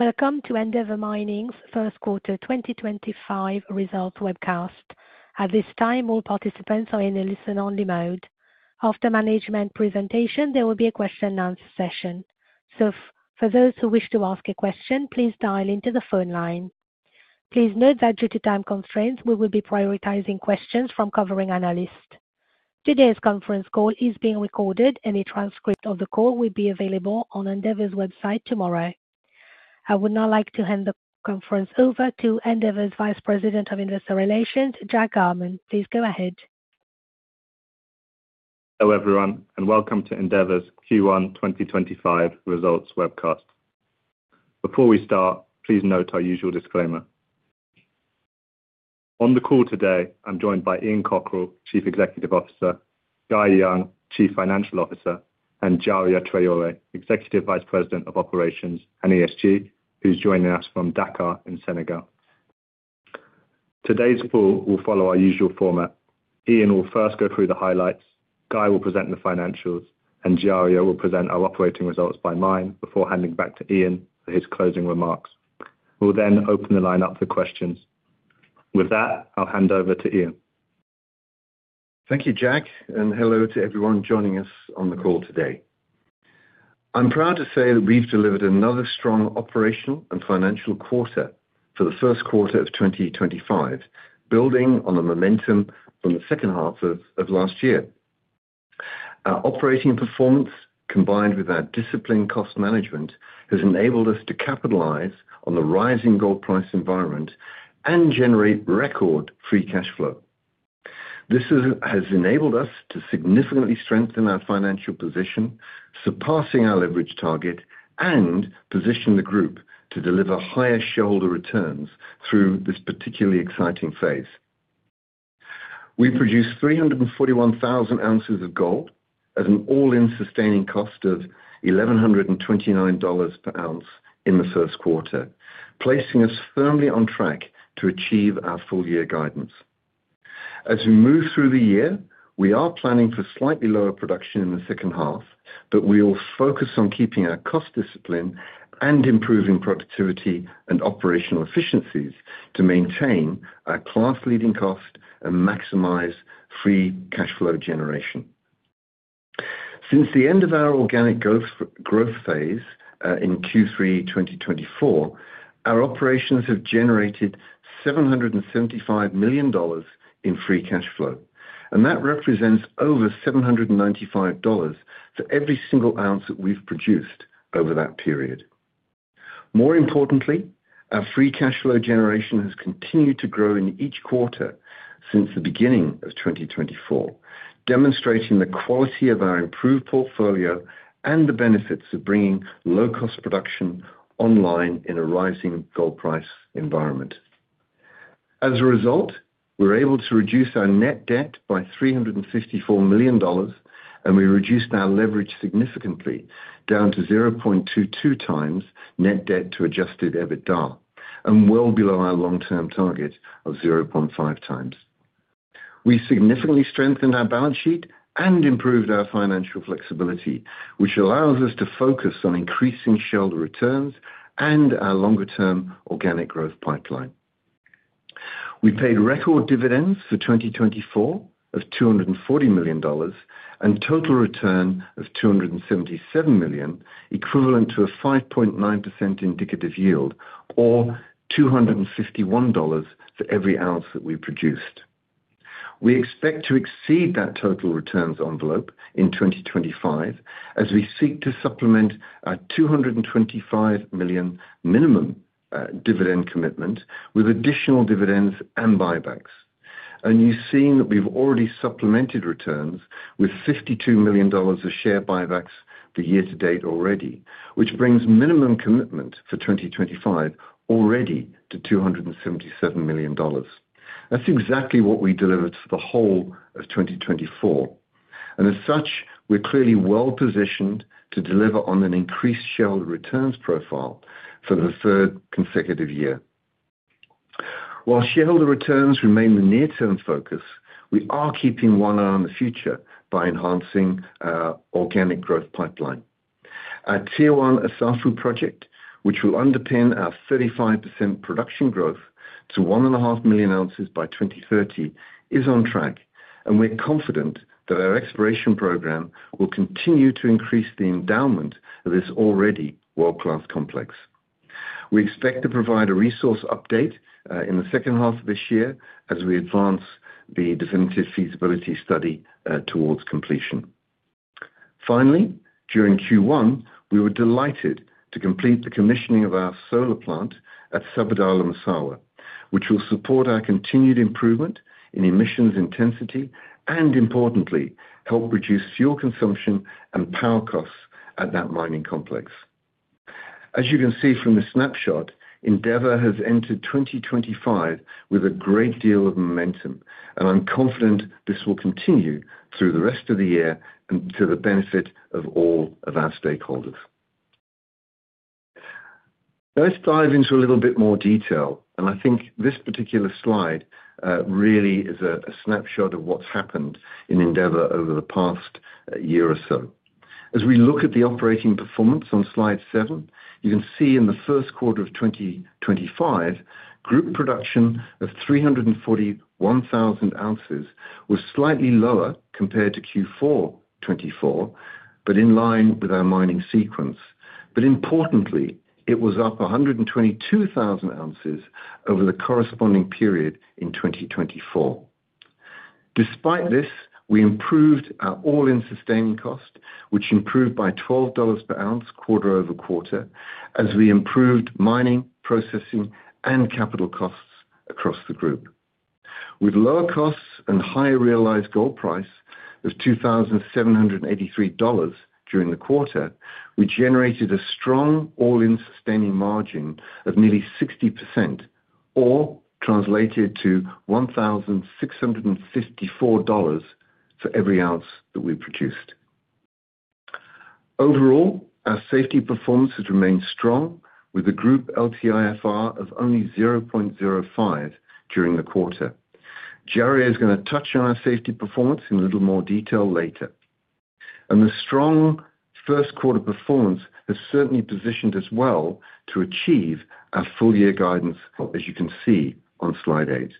Welcome to Endeavour Mining's First Quarter 2025 Results Webcast. At this time, all participants are in a listen-only mode. After management presentation, there will be a question-and-answer session. For those who wish to ask a question, please dial into the phone line. Please note that due to time constraints, we will be prioritizing questions from covering analysts. Today's conference call is being recorded, and a transcript of the call will be available on Endeavour's website tomorrow. I would now like to hand the conference over to Endeavour's Vice President of Investor Relations, Jack Garman. Please go ahead. Hello everyone, and welcome to Endeavour's Q1 2025 results webcast. Before we start, please note our usual disclaimer. On the call today, I'm joined by Ian Cockerill, Chief Executive Officer; Guy Young, Chief Financial Officer; and Djariat Traore, Executive Vice President of Operations and ESG, who's joining us from Dakar in Senegal. Today's call will follow our usual format. Ian will first go through the highlights, Guy will present the financials, and Djariat will present our operating results by mine before handing back to Ian for his closing remarks. We'll then open the line up for questions. With that, I'll hand over to Ian. Thank you, Jack, and hello to everyone joining us on the call today. I'm proud to say that we've delivered another strong operational and financial quarter for the first quarter of 2025, building on the momentum from the second half of last year. Our operating performance, combined with our disciplined cost management, has enabled us to capitalize on the rising gold price environment and generate record free cash flow. This has enabled us to significantly strengthen our financial position, surpassing our leverage target, and position the group to deliver higher shareholder returns through this particularly exciting phase. We produced 341,000 ounces of gold at an all-in sustaining cost of $1,129 per ounce in the first quarter, placing us firmly on track to achieve our full-year guidance. As we move through the year, we are planning for slightly lower production in the second half, but we will focus on keeping our cost discipline and improving productivity and operational efficiencies to maintain our class-leading cost and maximize free cash flow generation. Since the end of our organic growth phase in Q3 2024, our operations have generated $775 million in free cash flow, and that represents over $795 for every single ounce that we've produced over that period. More importantly, our free cash flow generation has continued to grow in each quarter since the beginning of 2024, demonstrating the quality of our improved portfolio and the benefits of bringing low-cost production online in a rising gold price environment. As a result, we were able to reduce our net debt by $354 million, and we reduced our leverage significantly, down to 0.22 times net debt-to-Adjusted EBITDA, and well below our long-term target of 0.5 times. We significantly strengthened our balance sheet and improved our financial flexibility, which allows us to focus on increasing shareholder returns and our longer-term organic growth pipeline. We paid record dividends for 2024 of $240 million and a total return of $277 million, equivalent to a 5.9% indicative yield, or $251 for every ounce that we produced. We expect to exceed that total returns envelope in 2025 as we seek to supplement our $225 million minimum dividend commitment with additional dividends and buybacks. You have seen that we have already supplemented returns with $52 million of share buybacks the year to date already, which brings minimum commitment for 2025 already to $277 million. That's exactly what we delivered for the whole of 2024. As such, we're clearly well positioned to deliver on an increased shareholder returns profile for the third consecutive year. While shareholder returns remain the near-term focus, we are keeping one eye on the future by enhancing our organic growth pipeline. Our Tier One Assafou project, which will underpin our 35% production growth to 1.5 million ounces by 2030, is on track, and we're confident that our exploration program will continue to increase the endowment of this already world-class complex. We expect to provide a resource update in the second half of this year as we advance the definitive feasibility study towards completion. Finally, during Q1, we were delighted to complete the commissioning of our solar plant at Sabodala-Massawa, which will support our continued improvement in emissions intensity and, importantly, help reduce fuel consumption and power costs at that mining complex. As you can see from the snapshot, Endeavour has entered 2025 with a great deal of momentum, and I'm confident this will continue through the rest of the year and to the benefit of all of our stakeholders. Let's dive into a little bit more detail, and I think this particular slide really is a snapshot of what's happened in Endeavour over the past year or so. As we look at the operating performance on slide seven, you can see in the first quarter of 2025, group production of 341,000 ounces was slightly lower compared to Q4 2024, but in line with our mining sequence. Importantly, it was up 122,000 ounces over the corresponding period in 2024. Despite this, we improved our all-in sustaining cost, which improved by $12 per ounce quarter over quarter as we improved mining, processing, and capital costs across the group. With lower costs and higher realized gold price of $2,783 during the quarter, we generated a strong all-in sustaining margin of nearly 60%, or translated to $1,654 for every ounce that we produced. Overall, our safety performance has remained strong, with the group LTIFR of only 0.05 during the quarter. Jari is going to touch on our safety performance in a little more detail later. The strong first quarter performance has certainly positioned us well to achieve our full-year guidance, as you can see on slide eight.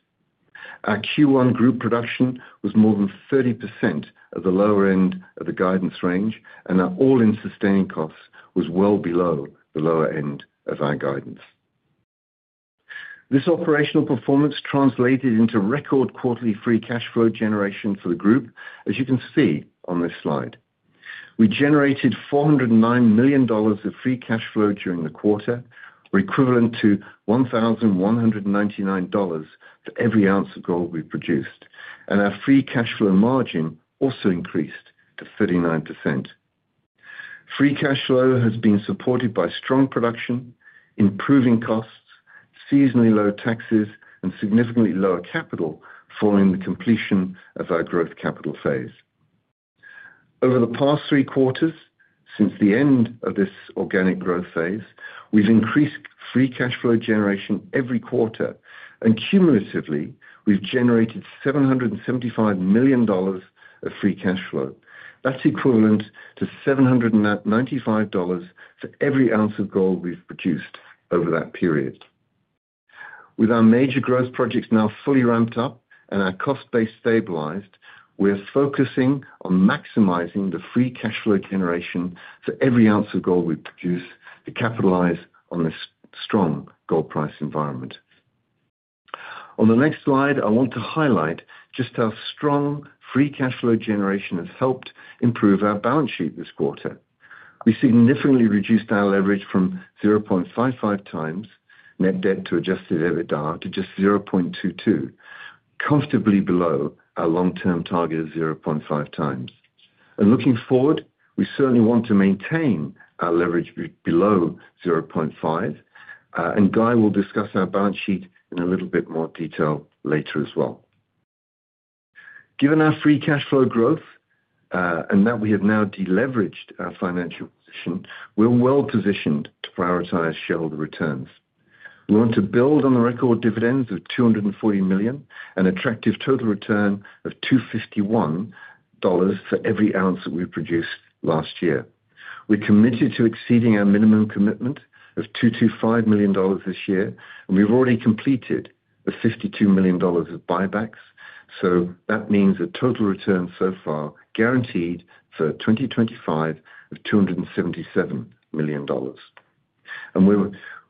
Our Q1 group production was more than 30% of the lower end of the guidance range, and our all-in sustaining cost was well below the lower end of our guidance. This operational performance translated into record quarterly free cash flow generation for the group, as you can see on this slide. We generated $409 million of free cash flow during the quarter, or equivalent to $1,199 for every ounce of gold we produced, and our free cash flow margin also increased to 39%. Free cash flow has been supported by strong production, improving costs, seasonally low taxes, and significantly lower capital following the completion of our growth capital phase. Over the past three quarters, since the end of this organic growth phase, we've increased free cash flow generation every quarter, and cumulatively, we've generated $775 million of free cash flow. That's equivalent to $795 for every ounce of gold we've produced over that period. With our major growth projects now fully ramped up and our cost base stabilized, we're focusing on maximizing the free cash flow generation for every ounce of gold we produce to capitalize on this strong gold price environment. On the next slide, I want to highlight just how strong free cash flow generation has helped improve our balance sheet this quarter. We significantly reduced our leverage from 0.55 times net debt-to-Adjusted EBITDA to just 0.22, comfortably below our long-term target of 0.5 times. Looking forward, we certainly want to maintain our leverage below 0.5, and Guy will discuss our balance sheet in a little bit more detail later as well. Given our free cash flow growth and that we have now deleveraged our financial position, we're well positioned to prioritize shareholder returns. We want to build on the record dividends of $240 million and an attractive total return of $251 for every ounce that we produced last year. We're committed to exceeding our minimum commitment of $225 million this year, and we've already completed the $52 million of buybacks. That means a total return so far guaranteed for 2025 of $277 million.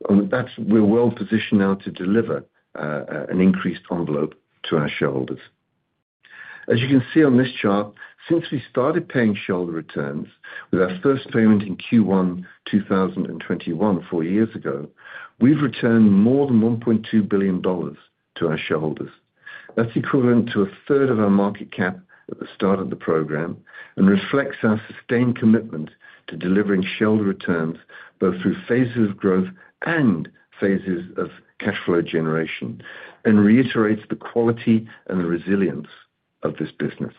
We're well positioned now to deliver an increased envelope to our shareholders. As you can see on this chart, since we started paying shareholder returns with our first payment in Q1 2021, four years ago, we've returned more than $1.2 billion to our shareholders. That's equivalent to a third of our market cap at the start of the program and reflects our sustained commitment to delivering shareholder returns both through phases of growth and phases of cash flow generation and reiterates the quality and the resilience of this business.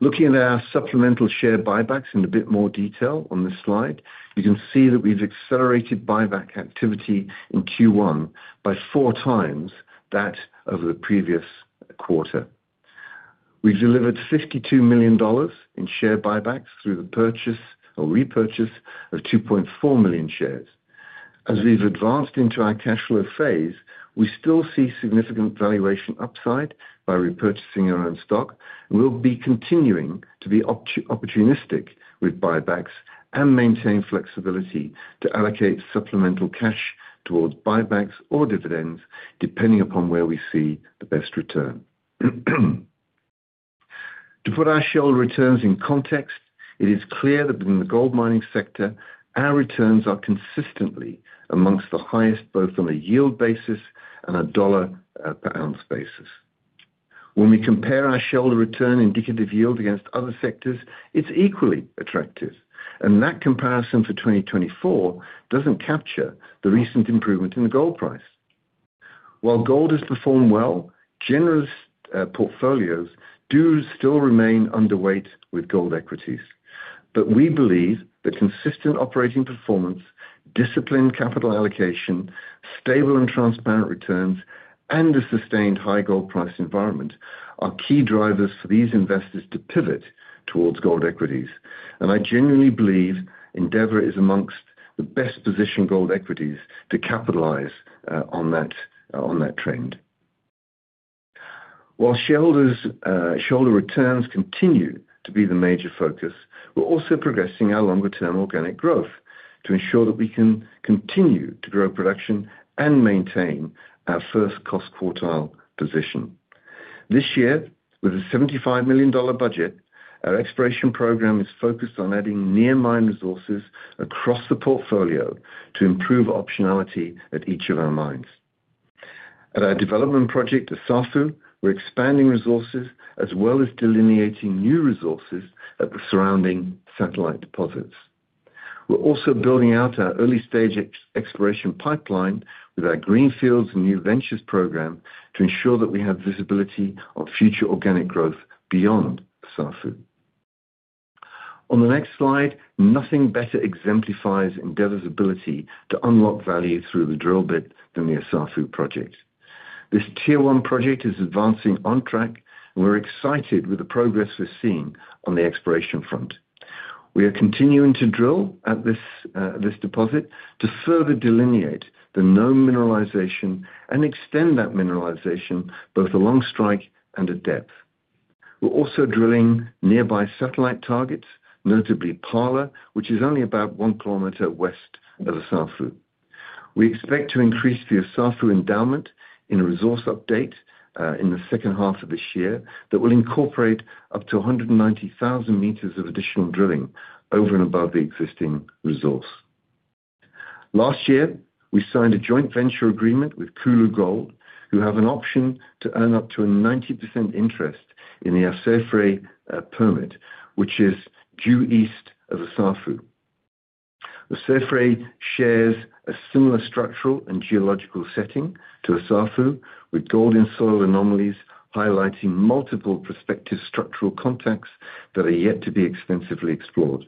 Looking at our supplemental share buybacks in a bit more detail on this slide, you can see that we've accelerated buyback activity in Q1 by four times that of the previous quarter. We've delivered $52 million in share buybacks through the purchase or repurchase of 2.4 million shares. As we've advanced into our cash flow phase, we still see significant valuation upside by repurchasing our own stock, and we'll be continuing to be opportunistic with buybacks and maintain flexibility to allocate supplemental cash towards buybacks or dividends, depending upon where we see the best return. To put our shareholder returns in context, it is clear that in the gold mining sector, our returns are consistently amongst the highest both on a yield basis and a dollar per ounce basis. When we compare our shareholder return indicative yield against other sectors, it is equally attractive, and that comparison for 2024 does not capture the recent improvement in the gold price. While gold has performed well, generous portfolios do still remain underweight with gold equities. We believe that consistent operating performance, disciplined capital allocation, stable and transparent returns, and a sustained high gold price environment are key drivers for these investors to pivot towards gold equities. I genuinely believe Endeavour is amongst the best-positioned gold equities to capitalize on that trend. While shareholder returns continue to be the major focus, we're also progressing our longer-term organic growth to ensure that we can continue to grow production and maintain our first cost quartile position. This year, with a $75 million budget, our exploration program is focused on adding near-mine resources across the portfolio to improve optionality at each of our mines. At our development project Assafou, we're expanding resources as well as delineating new resources at the surrounding satellite deposits. We're also building out our early-stage exploration pipeline with our Greenfields and New Ventures program to ensure that we have visibility on future organic growth beyond Assafou. On the next slide, nothing better exemplifies Endeavour's ability to unlock value through the drill bit than the Assafou project. This Tier One project is advancing on track, and we're excited with the progress we're seeing on the exploration front. We are continuing to drill at this deposit to further delineate the known mineralization and extend that mineralization both along strike and at depth. We're also drilling nearby satellite targets, notably Parler, which is only about 1 km west of Assafou. We expect to increase the Assafou endowment in a resource update in the second half of this year that will incorporate up to 190,000 m of additional drilling over and above the existing resource. Last year, we signed a joint venture agreement with Koulou Gold, who have an option to earn up to a 90% interest in the Assafou permit, which is due east of Assafou. Assafou shares a similar structural and geological setting to Assafou, with gold and soil anomalies highlighting multiple prospective structural contacts that are yet to be extensively explored.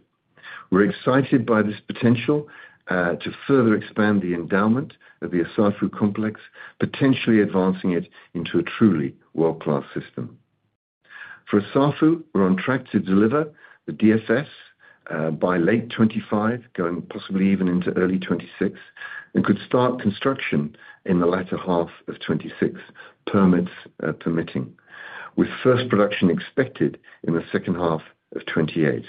We're excited by this potential to further expand the endowment of the Assafou complex, potentially advancing it into a truly world-class system. For Assafou, we're on track to deliver the DFS by late 2025, going possibly even into early 2026, and could start construction in the latter half of 2026, permits permitting, with first production expected in the second half of 2028.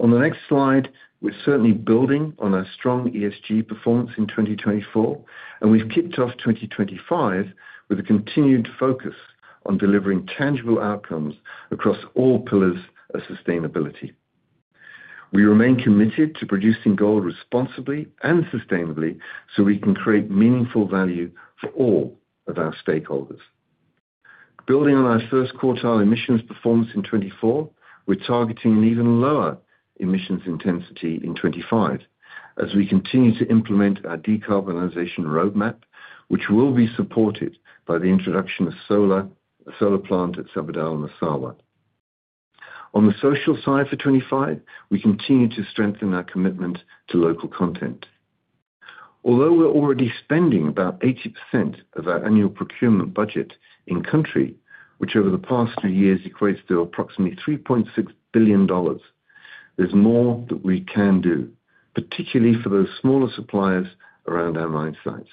On the next slide, we're certainly building on our strong ESG performance in 2024, and we've kicked off 2025 with a continued focus on delivering tangible outcomes across all pillars of sustainability. We remain committed to producing gold responsibly and sustainably so we can create meaningful value for all of our stakeholders. Building on our first quartile emissions performance in 2024, we're targeting an even lower emissions intensity in 2025 as we continue to implement our decarbonization roadmap, which will be supported by the introduction of a solar plant at Sabodala-Massawa. On the social side for 2025, we continue to strengthen our commitment to local content. Although we're already spending about 80% of our annual procurement budget in country, which over the past three years equates to approximately $3.6 billion, there's more that we can do, particularly for those smaller suppliers around our mine sites.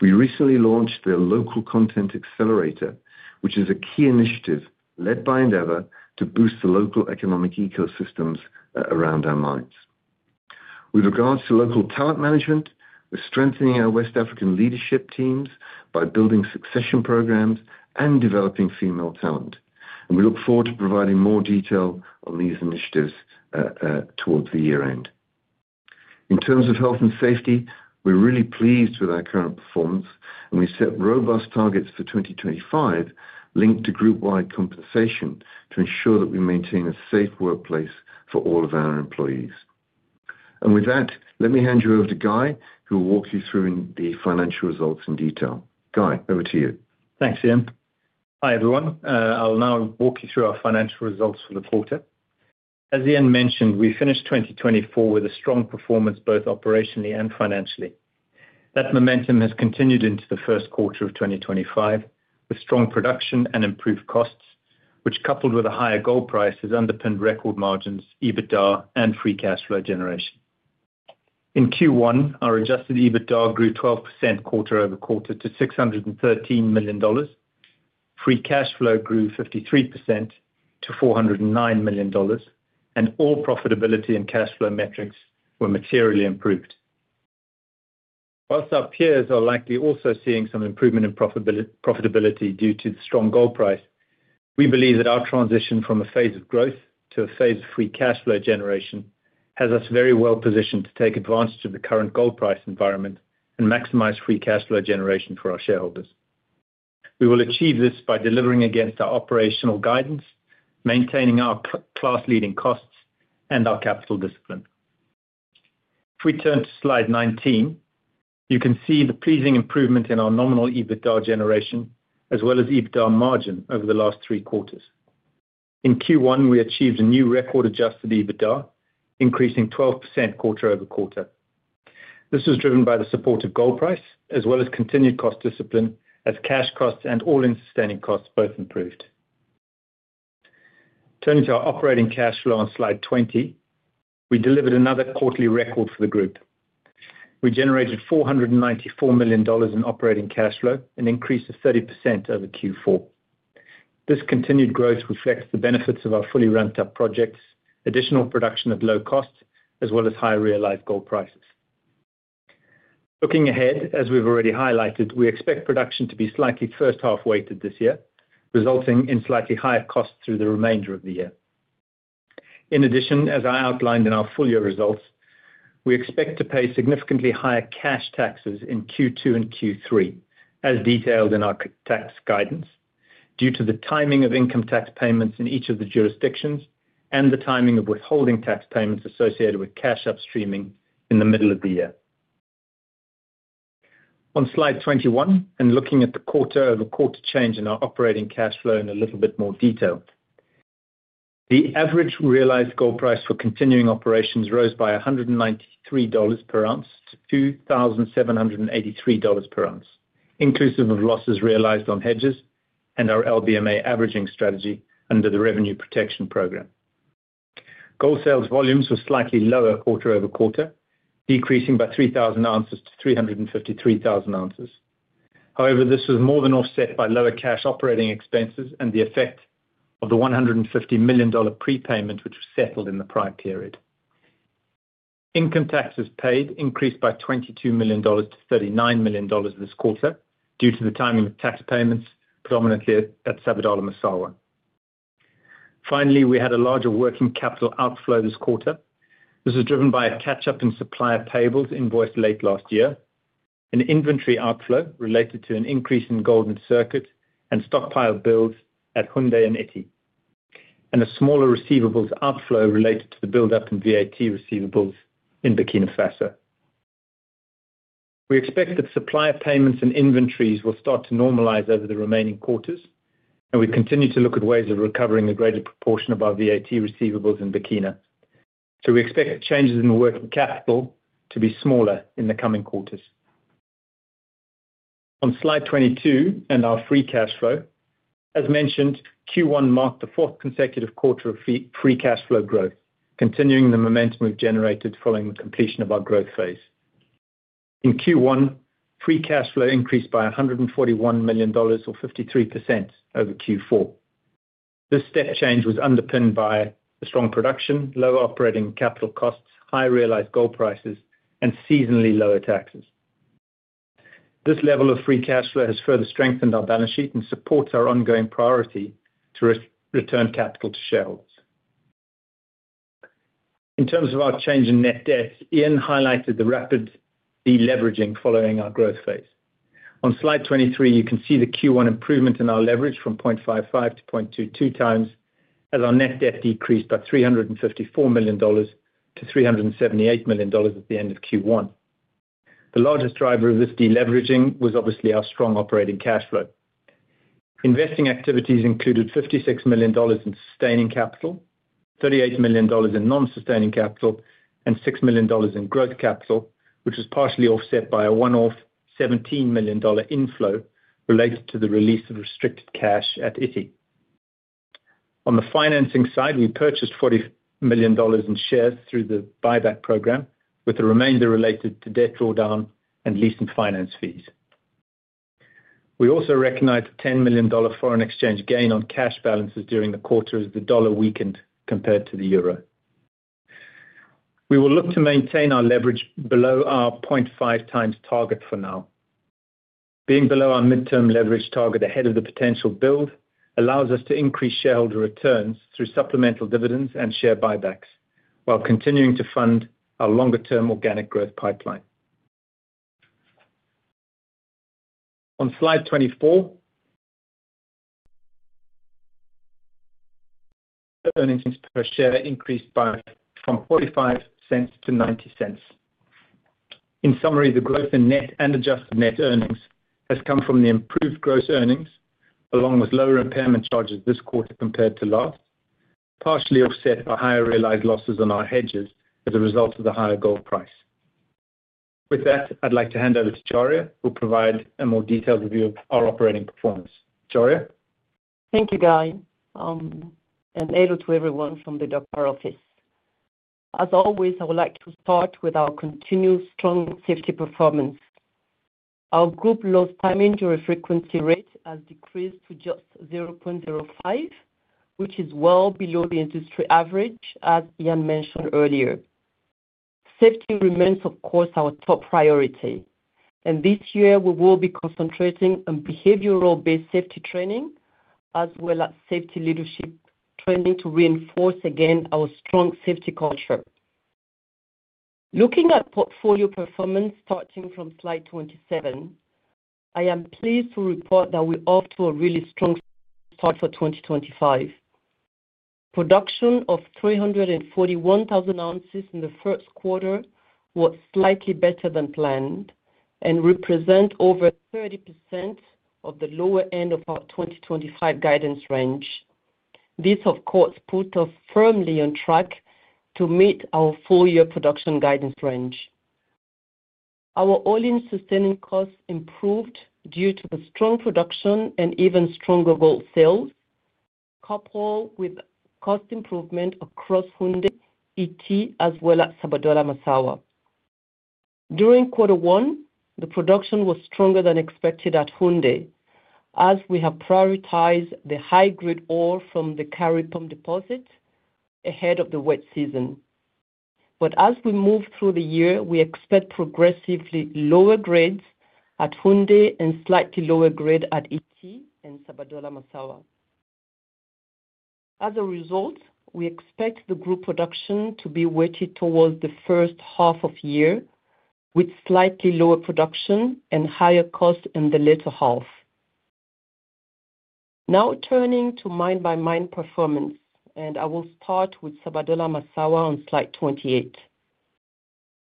We recently launched the Local Content Accelerator, which is a key initiative led by Endeavour to boost the local economic ecosystems around our mines. With regards to local talent management, we're strengthening our West African leadership teams by building succession programs and developing female talent. We look forward to providing more detail on these initiatives towards the year end. In terms of health and safety, we're really pleased with our current performance, and we've set robust targets for 2025 linked to group-wide compensation to ensure that we maintain a safe workplace for all of our employees. With that, let me hand you over to Guy, who will walk you through the financial results in detail. Guy, over to you. Thanks, Ian. Hi everyone. I'll now walk you through our financial results for the quarter. As Ian mentioned, we finished 2024 with a strong performance both operationally and financially. That momentum has continued into the first quarter of 2025 with strong production and improved costs, which, coupled with a higher gold price, has underpinned record margins, EBITDA, and free cash flow generation. In Q1, our Adjusted EBITDA grew 12% quarter over quarter to $613 million. Free cash flow grew 53% to $409 million, and all profitability and cash flow metrics were materially improved. Whilst our peers are likely also seeing some improvement in profitability due to the strong gold price, we believe that our transition from a phase of growth to a phase of free cash flow generation has us very well positioned to take advantage of the current gold price environment and maximize free cash flow generation for our shareholders. We will achieve this by delivering against our operational guidance, maintaining our class-leading costs, and our capital discipline. If we turn to slide 19, you can see the pleasing improvement in our nominal EBITDA generation as well as EBITDA margin over the last three quarters. In Q1, we achieved a new record Adjusted EBITDA, increasing 12% quarter over quarter. This was driven by the support of gold price as well as continued cost discipline, as cash costs and all-in sustaining costs both improved. Turning to our operating cash flow on slide 20, we delivered another quarterly record for the group. We generated $494 million in operating cash flow, an increase of 30% over Q4. This continued growth reflects the benefits of our fully ramped-up projects, additional production at low cost, as well as higher realized gold prices. Looking ahead, as we've already highlighted, we expect production to be slightly first-half weighted this year, resulting in slightly higher costs through the remainder of the year. In addition, as I outlined in our full year results, we expect to pay significantly higher cash taxes in Q2 and Q3, as detailed in our tax guidance, due to the timing of income tax payments in each of the jurisdictions and the timing of withholding tax payments associated with cash upstreaming in the middle of the year. On slide 21, and looking at the quarter-over-quarter change in our operating cash flow in a little bit more detail, the average realized gold price for continuing operations rose by $193 per ounce to $2,783 per ounce, inclusive of losses realized on hedges and our LBMA averaging strategy under the revenue protection program. Gold sales volumes were slightly lower quarter over quarter, decreasing by 3,000 ounces to 353,000 ounces. However, this was more than offset by lower cash operating expenses and the effect of the $150 million prepayment, which was settled in the prior period. Income taxes paid increased by $22 million to $39 million this quarter due to the timing of tax payments, predominantly at Sabodala-Massawa. Finally, we had a larger working capital outflow this quarter. This was driven by a catch-up in supplier payables invoiced late last year, an inventory outflow related to an increase in gold in circuit and stockpile builds at Houndé and Ity, and a smaller receivables outflow related to the build-up in VAT receivables in Burkina Faso. We expect that supplier payments and inventories will start to normalize over the remaining quarters, and we continue to look at ways of recovering a greater proportion of our VAT receivables in Burkina. We expect changes in working capital to be smaller in the coming quarters. On slide 22 and our free cash flow, as mentioned, Q1 marked the fourth consecutive quarter of free cash flow growth, continuing the momentum we have generated following the completion of our growth phase. In Q1, free cash flow increased by $141 million, or 53% over Q4. This step change was underpinned by strong production, low operating capital costs, high realized gold prices, and seasonally lower taxes. This level of free cash flow has further strengthened our balance sheet and supports our ongoing priority to return capital to shareholders. In terms of our change in net debt, Ian highlighted the rapid deleveraging following our growth phase. On slide 23, you can see the Q1 improvement in our leverage from 0.55 to 0.22 times as our net debt decreased by $354 million to $378 million at the end of Q1. The largest driver of this deleveraging was obviously our strong operating cash flow. Investing activities included $56 million in sustaining capital, $38 million in non-sustaining capital, and $6 million in growth capital, which was partially offset by a one-off $17 million inflow related to the release of restricted cash at Ity. On the financing side, we purchased $40 million in shares through the buyback program, with the remainder related to debt drawdown and lease and finance fees. We also recognized a $10 million foreign exchange gain on cash balances during the quarter as the dollar weakened compared to the euro. We will look to maintain our leverage below our 0.5 times target for now. Being below our midterm leverage target ahead of the potential build allows us to increase shareholder returns through supplemental dividends and share buybacks while continuing to fund our longer-term organic growth pipeline. On slide 24, earnings per share increased by from $0.45-$0.90. In summary, the growth in net and adjusted net earnings has come from the improved gross earnings, along with lower impairment charges this quarter compared to last, partially offset by higher realized losses on our hedges as a result of the higher gold price. With that, I'd like to hand over to Jari, who will provide a more detailed view of our operating performance. Jari. Thank you, Guy. And hello to everyone from the Dakar office. As always, I would like to start with our continued strong safety performance. Our group lost time injury frequency rate has decreased to just 0.05, which is well below the industry average, as Ian mentioned earlier. Safety remains, of course, our top priority, and this year we will be concentrating on behavioral-based safety training as well as safety leadership training to reinforce again our strong safety culture. Looking at portfolio performance starting from slide 27, I am pleased to report that we are off to a really strong start for 2025. Production of 341,000 ounces in the first quarter was slightly better than planned and represents over 30% of the lower end of our 2025 guidance range. This, of course, put us firmly on track to meet our full year production guidance range. Our all-in sustaining costs improved due to the strong production and even stronger gold sales, coupled with cost improvement across Houndé, Ity, as well as Sabodala-Massawa. During quarter one, the production was stronger than expected at Houndé, as we have prioritized the high-grade ore from the Kari Pump deposit ahead of the wet season. As we move through the year, we expect progressively lower grades at Houndé and slightly lower grade at Ity and Sabodala-Massawa. As a result, we expect the group production to be weighted towards the first half of the year, with slightly lower production and higher costs in the later half. Now turning to mine by mine performance, and I will start with Sabodala-Massawa on slide 28.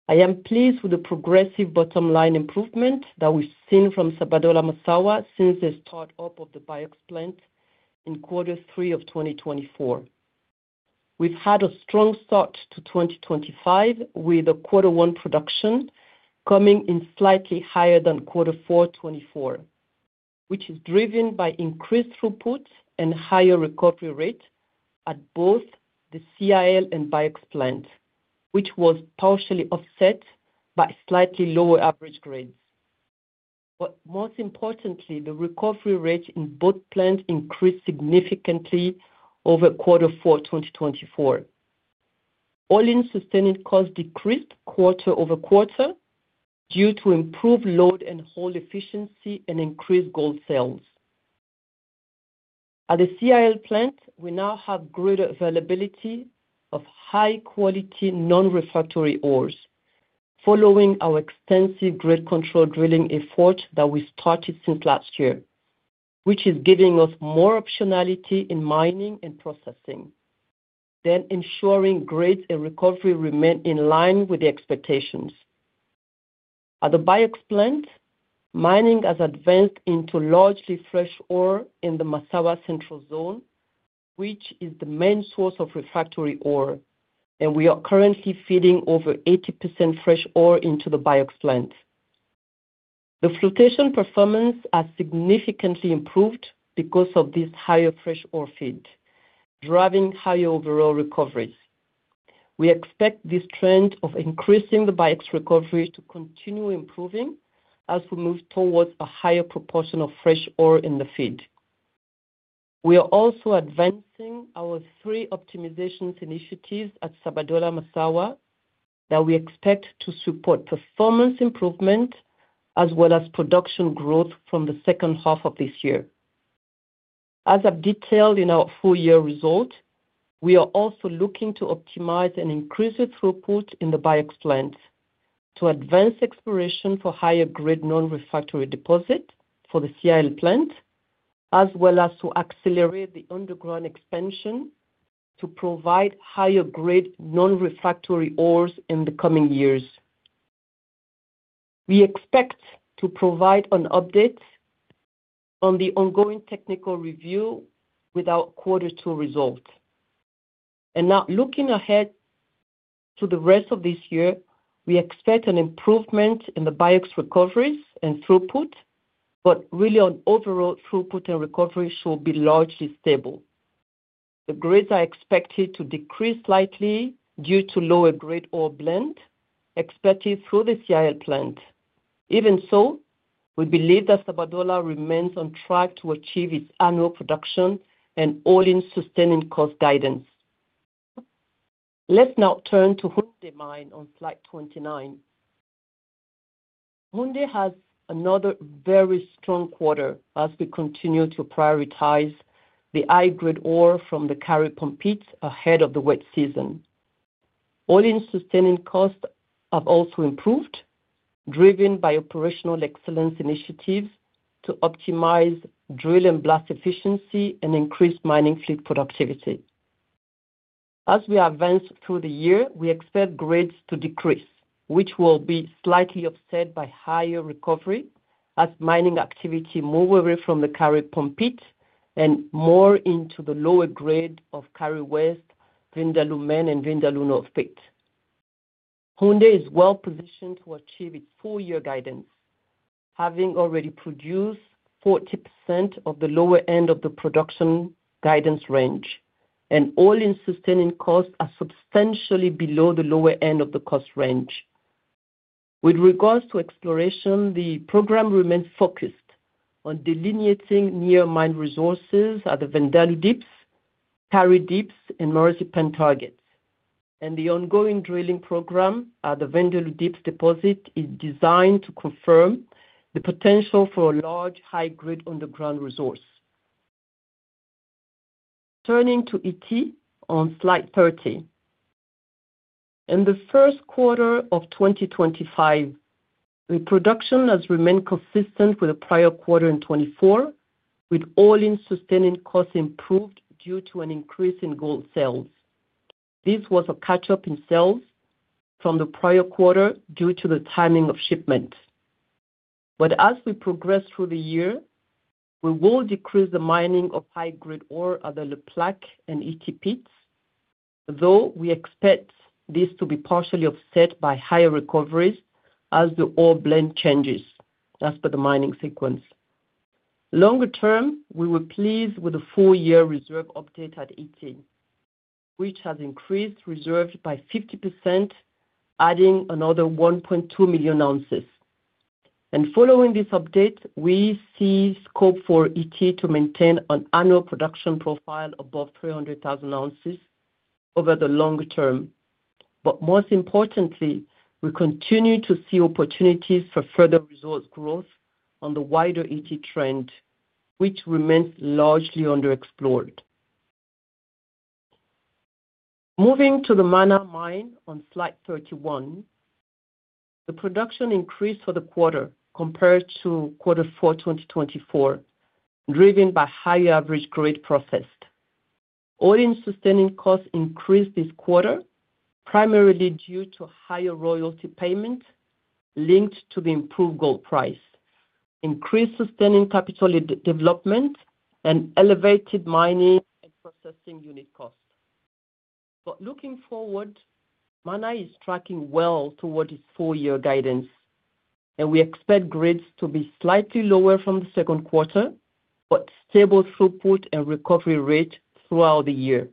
I am pleased with the progressive bottom line improvement that we've seen from Sabodala-Massawa since the start-up of the BIOX plant in quarter three of 2024. We've had a strong start to 2025 with a quarter one production coming in slightly higher than quarter four 2024, which is driven by increased throughput and higher recovery rate at both the CIL and BIOX plant, which was partially offset by slightly lower average grades. Most importantly, the recovery rate in both plants increased significantly over quarter four 2024. All-in sustaining costs decreased quarter over quarter due to improved load and hold efficiency and increased gold sales. At the CIL plant, we now have greater availability of high-quality non-refractory ores following our extensive grade control drilling effort that we started since last year, which is giving us more optionality in mining and processing, ensuring grades and recovery remain in line with the expectations. At the BIOX plant, mining has advanced into largely fresh ore in the Omassawa central zone, which is the main source of refractory ore, and we are currently feeding over 80% fresh ore into the BIOX plant. The flotation performance has significantly improved because of this higher fresh ore feed, driving higher overall recoveries. We expect this trend of increasing the BIOX recovery to continue improving as we move towards a higher proportion of fresh ore in the feed. We are also advancing our three optimization initiatives at Sabodala-Massawa that we expect to support performance improvement as well as production growth from the second half of this year. As I've detailed in our full year result, we are also looking to optimize and increase the throughput in the BIOX plant to advance exploration for higher grade non-refractory deposit for the CIL plant, as well as to accelerate the underground expansion to provide higher grade non-refractory ores in the coming years. We expect to provide an update on the ongoing technical review with our quarter two result. Now looking ahead to the rest of this year, we expect an improvement in the BIOX recoveries and throughput, but really overall throughput and recovery should be largely stable. The grades are expected to decrease slightly due to lower grade ore blend expected through the CIL plant. Even so, we believe that Sabodala remains on track to achieve its annual production and all-in sustaining cost guidance. Let's now turn to Houndé mine on slide 29. Houndé has another very strong quarter as we continue to prioritize the high-grade ore from the Kari Pump pit ahead of the wet season. All-in sustaining costs have also improved, driven by operational excellence initiatives to optimize drill and blast efficiency and increase mining fleet productivity. As we advance through the year, we expect grades to decrease, which will be slightly offset by higher recovery as mining activity moves away from the Kari Pump pit and more into the lower grade of Kari West, Vindaloo Main, and Vindaloo North pit. Houndé is well positioned to achieve its full year guidance, having already produced 40% of the lower end of the production guidance range, and all-in sustaining costs are substantially below the lower end of the cost range. With regards to exploration, the program remains focused on delineating near mine resources at the Vindaloo Deeps, Kari Deeps, and Morrissey Pen targets, and the ongoing drilling program at the Vindaloo Deeps deposit is designed to confirm the potential for a large high-grade underground resource. Turning to Ity on slide 30. In the first quarter of 2025, the production has remained consistent with the prior quarter in 2024, with all-in sustaining costs improved due to an increase in gold sales. This was a catch-up in sales from the prior quarter due to the timing of shipment. As we progress through the year, we will decrease the mining of high-grade ore at the Le Plaque and Ity pits, though we expect this to be partially offset by higher recoveries as the ore blend changes as per the mining sequence. Longer term, we were pleased with the full year reserve update at Ity, which has increased reserves by 50%, adding another 1.2 million ounces. Following this update, we see scope for Ity to maintain an annual production profile above 300,000 ounces over the longer term. Most importantly, we continue to see opportunities for further resource growth on the wider Ity trend, which remains largely underexplored. Moving to the Mana mine on slide 31, the production increased for the quarter compared to quarter four 2024, driven by higher average grade processed. All-in sustaining costs increased this quarter primarily due to higher royalty payment linked to the improved gold price, increased sustaining capital development, and elevated mining and processing unit cost. Looking forward, Mana is tracking well towards its full year guidance, and we expect grades to be slightly lower from the second quarter, but stable throughput and recovery rate throughout the year.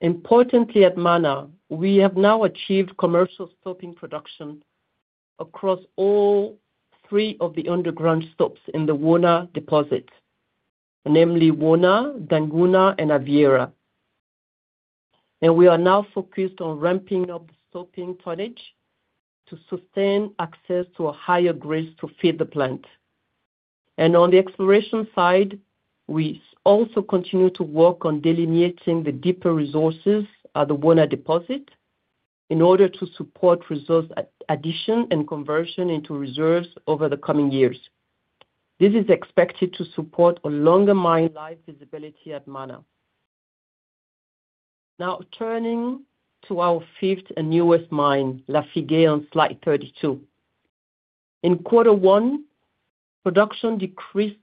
Importantly, at Mana, we have now achieved commercial stoping production across all three of the underground stopes in the Wona deposit, namely Wona, Dangouna, and Aviera. We are now focused on ramping up the stoping tonnage to sustain access to a higher grade to feed the plant. On the exploration side, we also continue to work on delineating the deeper resources at the Wona deposit in order to support resource addition and conversion into reserves over the coming years. This is expected to support a longer mine life visibility at Mana. Now turning to our fifth and newest mine, Lafigué on slide 32. In quarter one, production decreased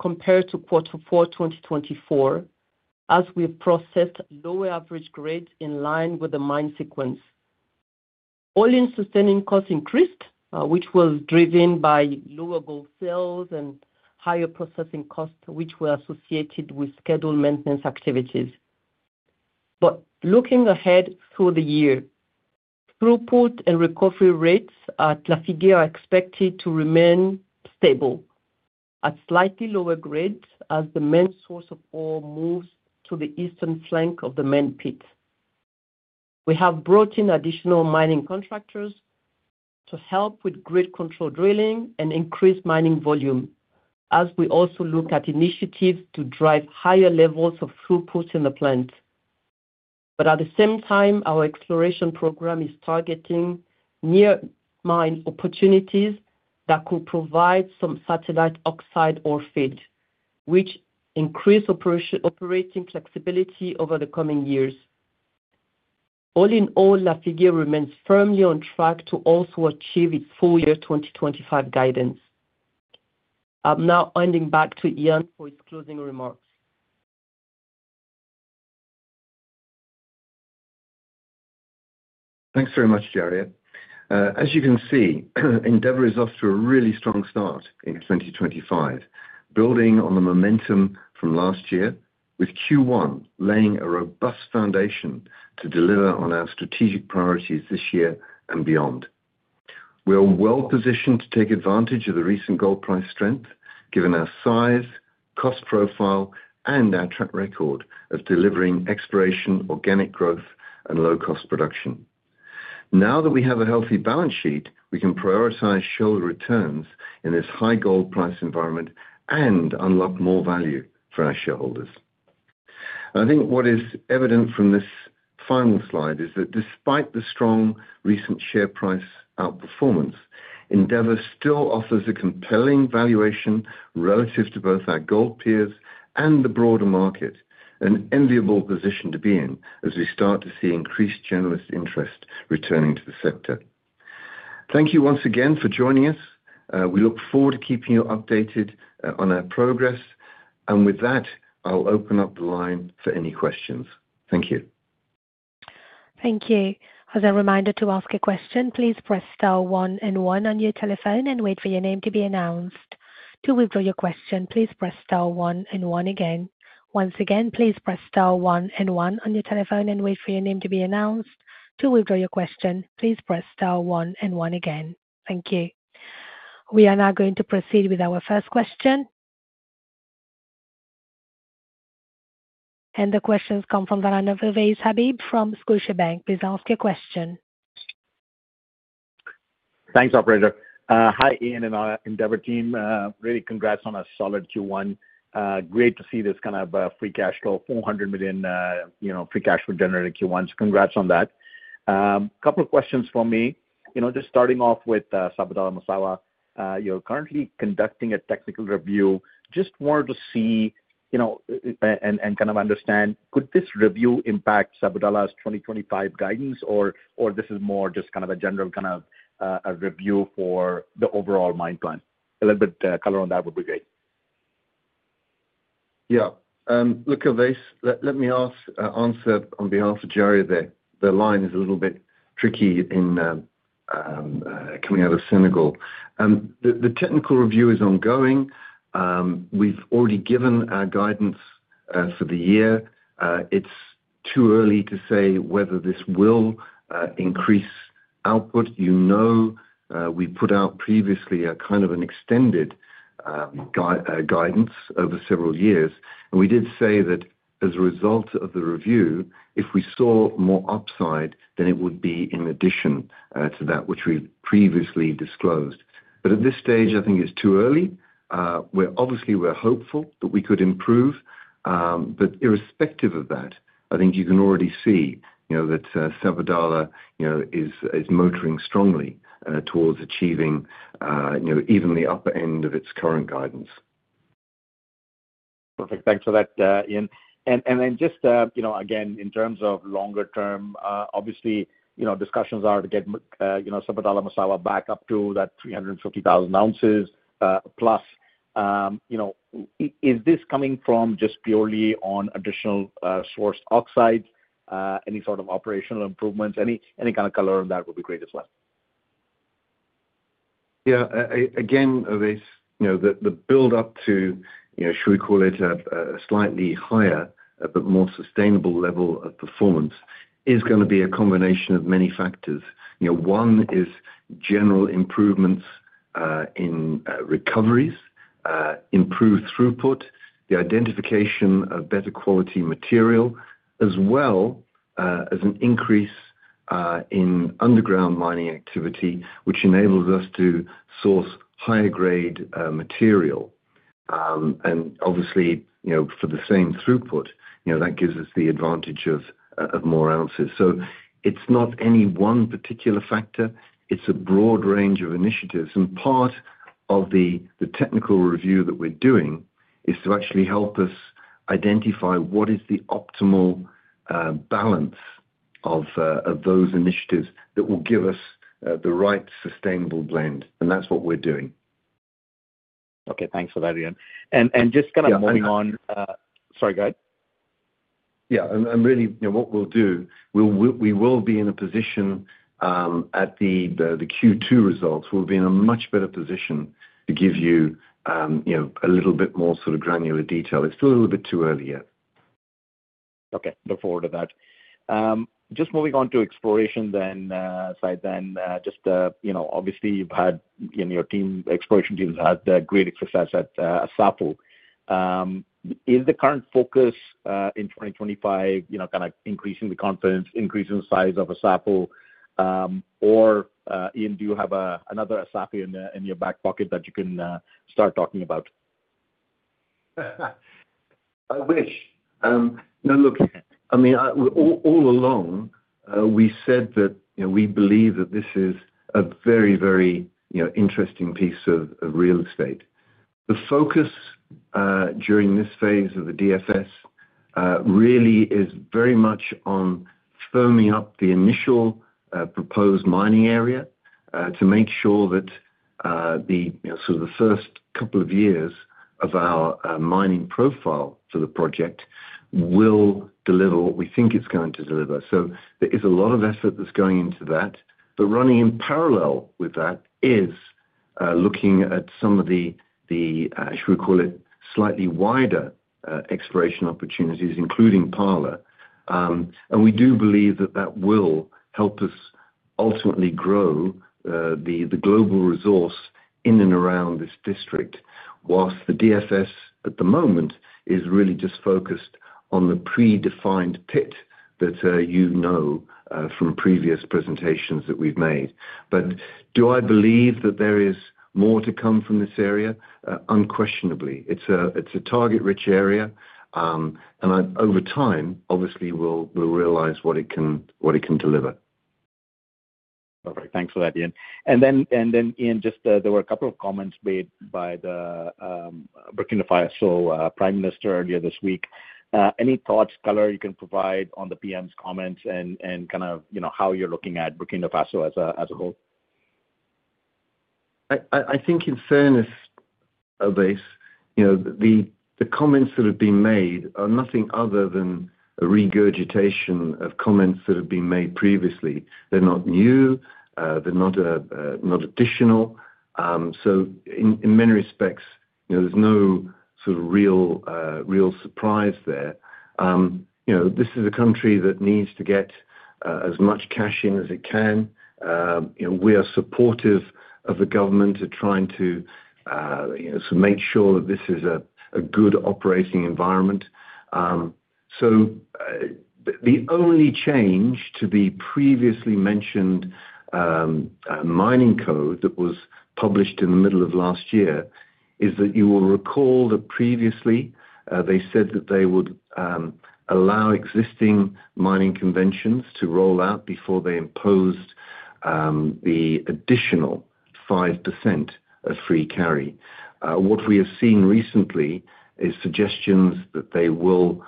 compared to quarter four 2024 as we processed lower average grade in line with the mine sequence. All-in sustaining costs increased, which was driven by lower gold sales and higher processing costs, which were associated with scheduled maintenance activities. Looking ahead through the year, throughput and recovery rates at Lafigué are expected to remain stable at slightly lower grade as the main source of ore moves to the eastern flank of the main pit. We have brought in additional mining contractors to help with grade control drilling and increase mining volume as we also look at initiatives to drive higher levels of throughput in the plant. At the same time, our exploration program is targeting near mine opportunities that could provide some satellite oxide ore feed, which increases operating flexibility over the coming years. All in all, Lafigué remains firmly on track to also achieve its full year 2025 guidance. I'm now handing back to Ian for his closing remarks. Thanks very much, Jari. As you can see, Endeavour is off to a really strong start in 2025, building on the momentum from last year, with Q1 laying a robust foundation to deliver on our strategic priorities this year and beyond. We are well positioned to take advantage of the recent gold price strength, given our size, cost profile, and our track record of delivering exploration, organic growth, and low-cost production. Now that we have a healthy balance sheet, we can prioritize shareholder returns in this high gold price environment and unlock more value for our shareholders. I think what is evident from this final slide is that despite the strong recent share price outperformance, Endeavour still offers a compelling valuation relative to both our gold peers and the broader market, an enviable position to be in as we start to see increased generalist interest returning to the sector. Thank you once again for joining us. We look forward to keeping you updated on our progress. With that, I'll open up the line for any questions. Thank you. As a reminder to ask a question, please press star one and one on your telephone and wait for your name to be announced. To withdraw your question, please press star one and one again. Once again, please press star one and one on your telephone and wait for your name to be announced. To withdraw your question, please press star one and one again. Thank you. We are now going to proceed with our first question. The questions come from Ovais Habib from Scotiabank. Please ask your question. Thanks, Operator. Hi, Ian and our Endeavour team. Really congrats on a solid Q1. Great to see this kind of free cash flow, $400 million free cash flow generating Q1s. Congrats on that. A couple of questions for me. Just starting off with Sabodala-Massawa, you're currently conducting a technical review. Just wanted to see and kind of understand, could this review impact Sabodala's 2025 guidance, or this is more just kind of a general kind of review for the overall mine plan? A little bit of color on that would be great. Yeah. Look, Ovais, let me answer on behalf of Jari. The line is a little bit tricky coming out of Senegal. The technical review is ongoing. We've already given our guidance for the year. It's too early to say whether this will increase output. You know we put out previously a kind of an extended guidance over several years. We did say that as a result of the review, if we saw more upside, then it would be in addition to that, which we previously disclosed. At this stage, I think it's too early. Obviously, we're hopeful that we could improve. Irrespective of that, I think you can already see that Sabodala is motoring strongly towards achieving even the upper end of its current guidance. Perfect. Thanks for that, Ian. Just again, in terms of longer term, obviously, discussions are to get Sabodala-Massawa back up to that 350,000 ounces plus. Is this coming from just purely on additional sourced oxides? Any sort of operational improvements? Any kind of color on that would be great as well. Yeah. Again, Ovais, the build-up to, should we call it a slightly higher, but more sustainable level of performance is going to be a combination of many factors. One is general improvements in recoveries, improved throughput, the identification of better quality material, as well as an increase in underground mining activity, which enables us to source higher-grade material. Obviously, for the same throughput, that gives us the advantage of more ounces. It is not any one particular factor. It is a broad range of initiatives. Part of the technical review that we are doing is to actually help us identify what is the optimal balance of those initiatives that will give us the right sustainable blend. That is what we are doing. Okay. Thanks for that, Ian. Just kind of moving on. Sorry, go ahead. Yeah. What we will do, we will be in a position at the Q2 results. We will be in a much better position to give you a little bit more sort of granular detail. It is still a little bit too early yet. Okay. Look forward to that. Just moving on to the exploration side, then just obviously, your exploration teams have had great success at Assafou. Is the current focus in 2025 kind of increasing the confidence, increasing the size of Assafou, or Ian, do you have another Assafou in your back pocket that you can start talking about? I wish. Now, look, I mean, all along, we said that we believe that this is a very, very interesting piece of real estate. The focus during this phase of the DFS really is very much on firming up the initial proposed mining area to make sure that the sort of the first couple of years of our mining profile for the project will deliver what we think it's going to deliver. There is a lot of effort that's going into that. Running in parallel with that is looking at some of the, should we call it, slightly wider exploration opportunities, including Parler. We do believe that that will help us ultimately grow the global resource in and around this district, whilst the DFS at the moment is really just focused on the predefined pit that you know from previous presentations that we've made. Do I believe that there is more to come from this area? Unquestionably. It's a target-rich area. Over time, obviously, we'll realize what it can deliver. Perfect. Thanks for that, Ian. Ian, just there were a couple of comments made by the Burkina Faso Prime Minister earlier this week. Any thoughts, color you can provide on the PM's comments and kind of how you're looking at Burkina Faso as a whole? I think in fairness, the comments that have been made are nothing other than a regurgitation of comments that have been made previously. They're not new. They're not additional. In many respects, there's no sort of real surprise there. This is a country that needs to get as much cash in as it can. We are supportive of the government to trying to make sure that this is a good operating environment. The only change to the previously mentioned mining code that was published in the middle of last year is that you will recall that previously, they said that they would allow existing mining conventions to roll out before they imposed the additional 5% of free carry. What we have seen recently is suggestions that they would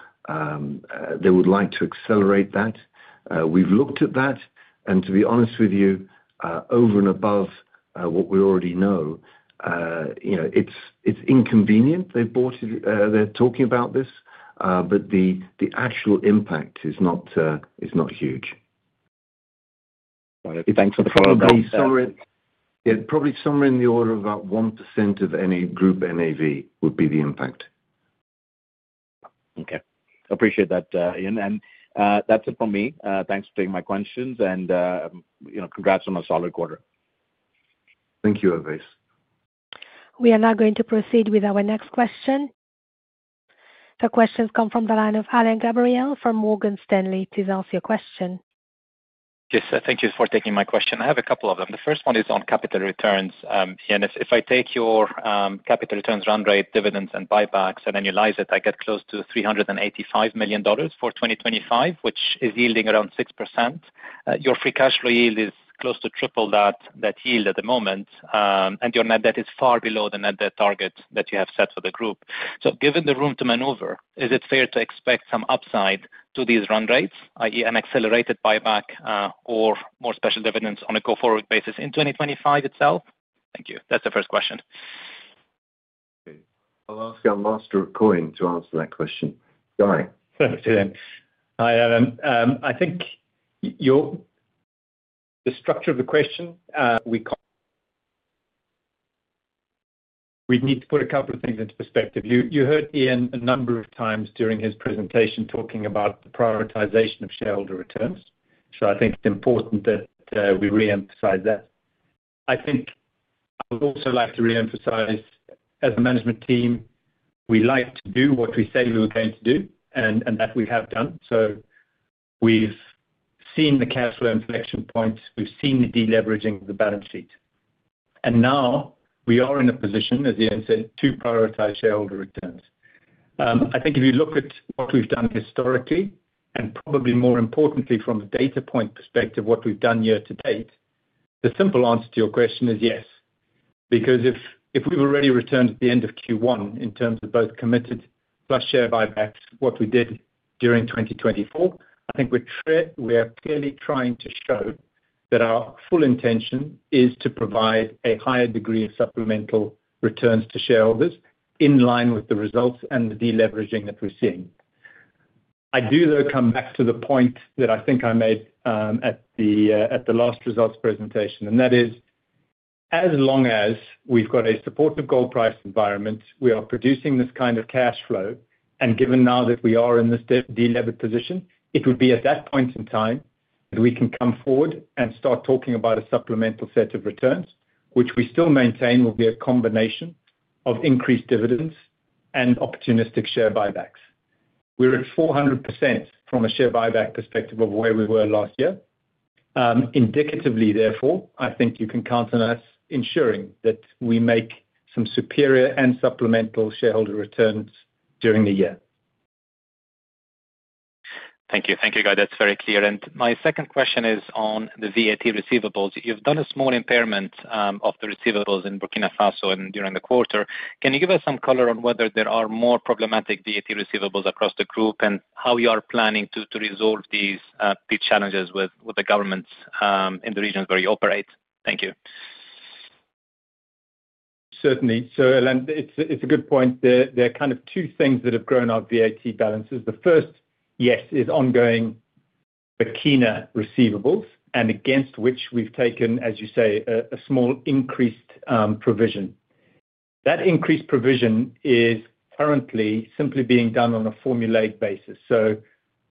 like to accelerate that. We've looked at that. And to be honest with you, over and above what we already know, it's inconvenient. They're talking about this, but the actual impact is not huge. Thanks for the follow-up. Yeah. Probably somewhere in the order of about 1% of any group NAV would be the impact. Okay. Appreciate that, Ian. That's it from me. Thanks for taking my questions. Congrats on a solid quarter. Thank you, Ovais. We are now going to proceed with our next question. The questions come from Alain Gabriel from Morgan Stanley. Please ask your question. Yes. Thank you for taking my question. I have a couple of them. The first one is on capital returns. If I take your capital returns run rate, dividends, and buybacks, and annualize it, I get close to $385 million for 2025, which is yielding around 6%. Your free cash flow yield is close to triple that yield at the moment. Your net debt is far below the net debt target that you have set for the group. Given the room to maneuver, is it fair to expect some upside to these run rates, i.e., an accelerated buyback or more special dividends on a go-forward basis in 2025 itself? Thank you. That's the first question. I'll ask our master of coin to answer that question. Hi. Hi, Evan. I think the structure of the question. We need to put a couple of things into perspective. You heard Ian a number of times during his presentation talking about the prioritization of shareholder returns. I think it's important that we reemphasize that. I think I would also like to reemphasize, as a management team, we like to do what we say we were going to do and that we have done. We've seen the cash flow inflection points. We've seen the deleveraging of the balance sheet. Now we are in a position, as Ian said, to prioritize shareholder returns. I think if you look at what we've done historically and probably more importantly, from a data point perspective, what we've done year to date, the simple answer to your question is yes. Because if we've already returned at the end of Q1 in terms of both committed plus share buybacks, what we did during 2024, I think we're clearly trying to show that our full intention is to provide a higher degree of supplemental returns to shareholders in line with the results and the deleveraging that we're seeing. I do, though, come back to the point that I think I made at the last results presentation. That is, as long as we've got a supportive gold price environment, we are producing this kind of cash flow. Given now that we are in this delevered position, it would be at that point in time that we can come forward and start talking about a supplemental set of returns, which we still maintain will be a combination of increased dividends and opportunistic share buybacks. We're at 400% from a share buyback perspective of where we were last year. Indicatively, therefore, I think you can count on us ensuring that we make some superior and supplemental shareholder returns during the year. Thank you. Thank you, Guy. That's very clear. My second question is on the VAT receivables. You've done a small impairment of the receivables in Burkina Faso during the quarter. Can you give us some color on whether there are more problematic VAT receivables across the group and how you are planning to resolve these challenges with the governments in the regions where you operate? Thank you. Certainly. It's a good point. There are kind of two things that have grown our VAT balances. The first, yes, is ongoing Burkina receivables and against which we've taken, as you say, a small increased provision. That increased provision is currently simply being done on a formulaic basis.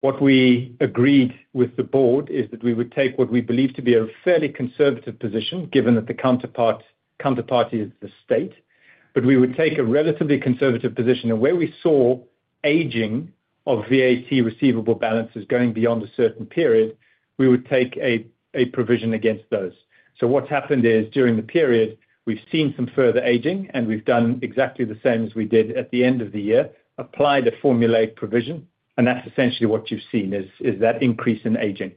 What we agreed with the board is that we would take what we believe to be a fairly conservative position, given that the counterpart is the state. We would take a relatively conservative position. Where we saw aging of VAT receivable balances going beyond a certain period, we would take a provision against those. What has happened is during the period, we've seen some further aging, and we've done exactly the same as we did at the end of the year, applied a formulaic provision. That is essentially what you've seen, is that increase in aging.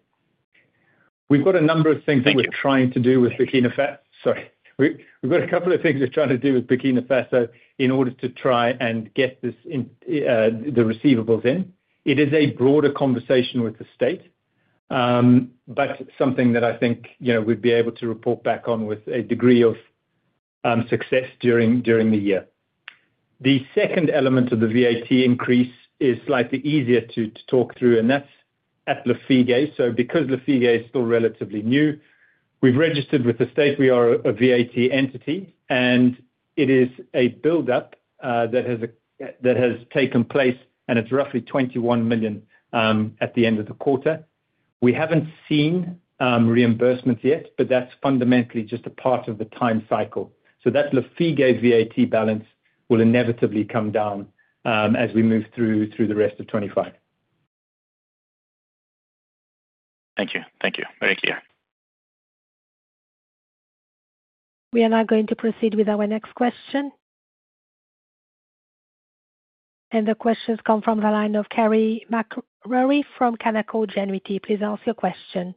We've got a number of things that we're trying to do with Burkina Faso. Sorry. We've got a couple of things we're trying to do with Burkina Faso in order to try and get the receivables in. It is a broader conversation with the state, but something that I think we'd be able to report back on with a degree of success during the year. The second element of the VAT increase is slightly easier to talk through, and that's at Lafigué. Because Lafigué is still relatively new, we've registered with the state. We are a VAT entity, and it is a build-up that has taken place, and it's roughly $21 million at the end of the quarter. We haven't seen reimbursements yet, but that's fundamentally just a part of the time cycle. That Lafigué VAT balance will inevitably come down as we move through the rest of 2025. Thank you. Thank you. Very clear. We are now going to proceed with our next question. The questions come from Carey MacRury from Canaccord Genuity. Please ask your question.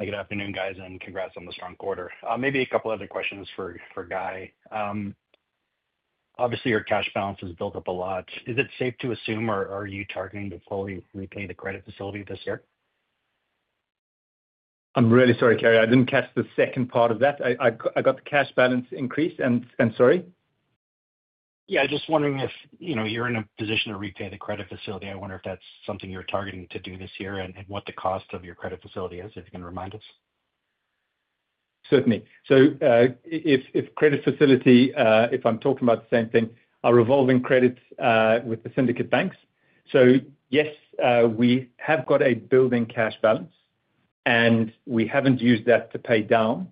Good afternoon, guys, and congrats on the strong quarter. Maybe a couple of other questions for Guy. Obviously, your cash balance has built up a lot. Is it safe to assume, or are you targeting to fully repay the credit facility this year? I'm really sorry, Carey. I didn't catch the second part of that. I got the cash balance increase. Sorry? Yeah. Just wondering if you're in a position to repay the credit facility. I wonder if that's something you're targeting to do this year and what the cost of your credit facility is, if you can remind us. Certainly. If credit facility, if I'm talking about the same thing, are revolving credits with the syndicate banks. Yes, we have got a building cash balance, and we haven't used that to pay down,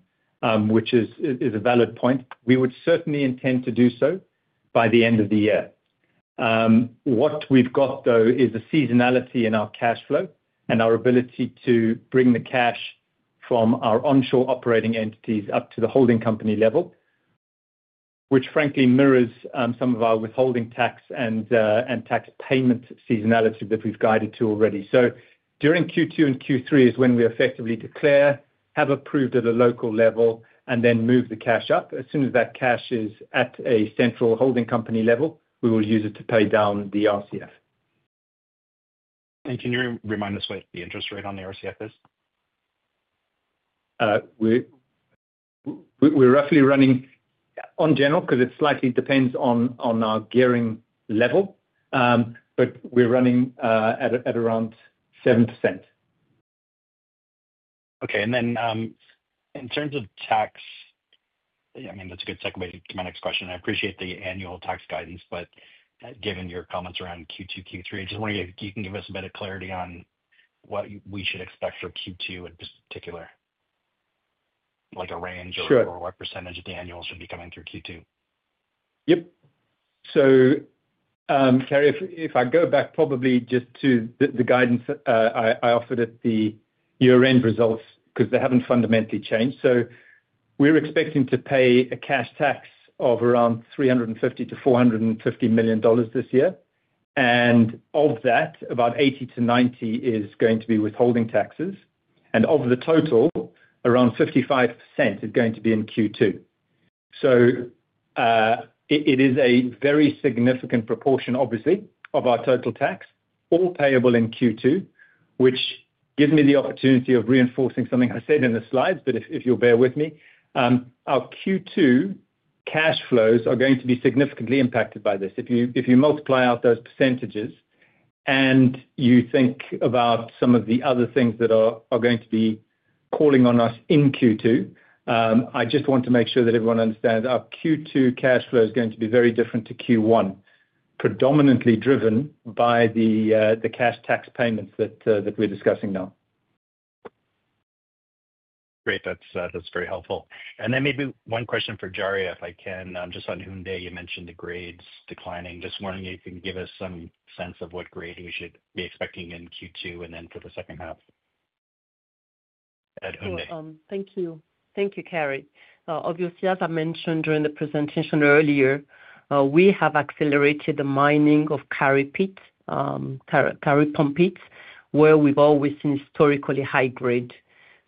which is a valid point. We would certainly intend to do so by the end of the year. What we've got, though, is a seasonality in our cash flow and our ability to bring the cash from our onshore operating entities up to the holding company level, which frankly mirrors some of our withholding tax and tax payment seasonality that we've guided to already. During Q2 and Q3 is when we effectively declare, have approved at a local level, and then move the cash up. As soon as that cash is at a central holding company level, we will use it to pay down the RCF. Can you remind us what the interest rate on the RCF is? We're roughly running, on general, because it slightly depends on our gearing level, but we're running at around 7%. In terms of tax, I mean, that's a good segue to my next question. I appreciate the annual tax guidance, but given your comments around Q2, Q3, I just wonder if you can give us a bit of clarity on what we should expect for Q2 in particular, like a range or what percentage of the annuals should be coming through Q2. Yep. Carey, if I go back probably just to the guidance I offered at the year-end results, because they haven't fundamentally changed. We're expecting to pay a cash tax of around $350 million-$450 million this year. Of that, about $80 million-$90 million is going to be withholding taxes. Of the total, around 55% is going to be in Q2. It is a very significant proportion, obviously, of our total tax, all payable in Q2, which gives me the opportunity of reinforcing something I said in the slides, but if you'll bear with me. Our Q2 cash flows are going to be significantly impacted by this. If you multiply out those percentages and you think about some of the other things that are going to be calling on us in Q2, I just want to make sure that everyone understands our Q2 cash flow is going to be very different to Q1, predominantly driven by the cash tax payments that we're discussing now. Great. That's very helpful. Maybe one question for Jari, if I can. Just on Houndé, you mentioned the grades declining. Just wondering if you can give us some sense of what grade we should be expecting in Q2 and then for the second half at Houndé. Thank you. Thank you, Carey. Obviously, as I mentioned during the presentation earlier, we have accelerated the mining of Kari Pit, Kari Pump Pit, where we've always seen historically high grade.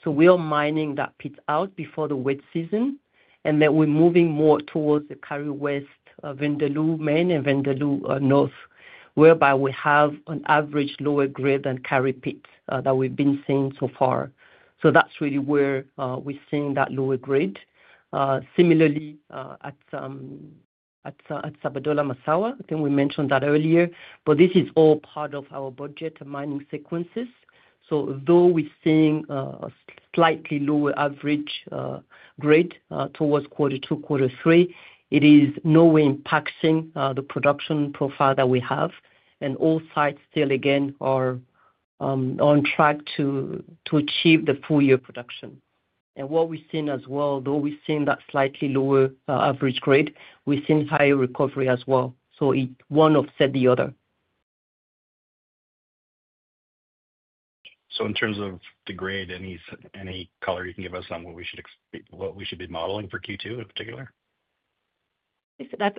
We are mining that pit out before the wet season, and then we're moving more towards the Kari West, Vindaloo Main, and Vindaloo North, whereby we have an average lower grade than Kari Pit that we've been seeing so far. That is really where we're seeing that lower grade. Similarly, at Sabodala-Massawa, I think we mentioned that earlier, but this is all part of our budget and mining sequences. Although we're seeing a slightly lower average grade towards quarter two, quarter three, it is nowhere impacting the production profile that we have. All sites still, again, are on track to achieve the full year production. What we've seen as well, though we've seen that slightly lower average grade, we've seen higher recovery as well. One offset the other. In terms of the grade, any color you can give us on what we should be modeling for Q2 in particular?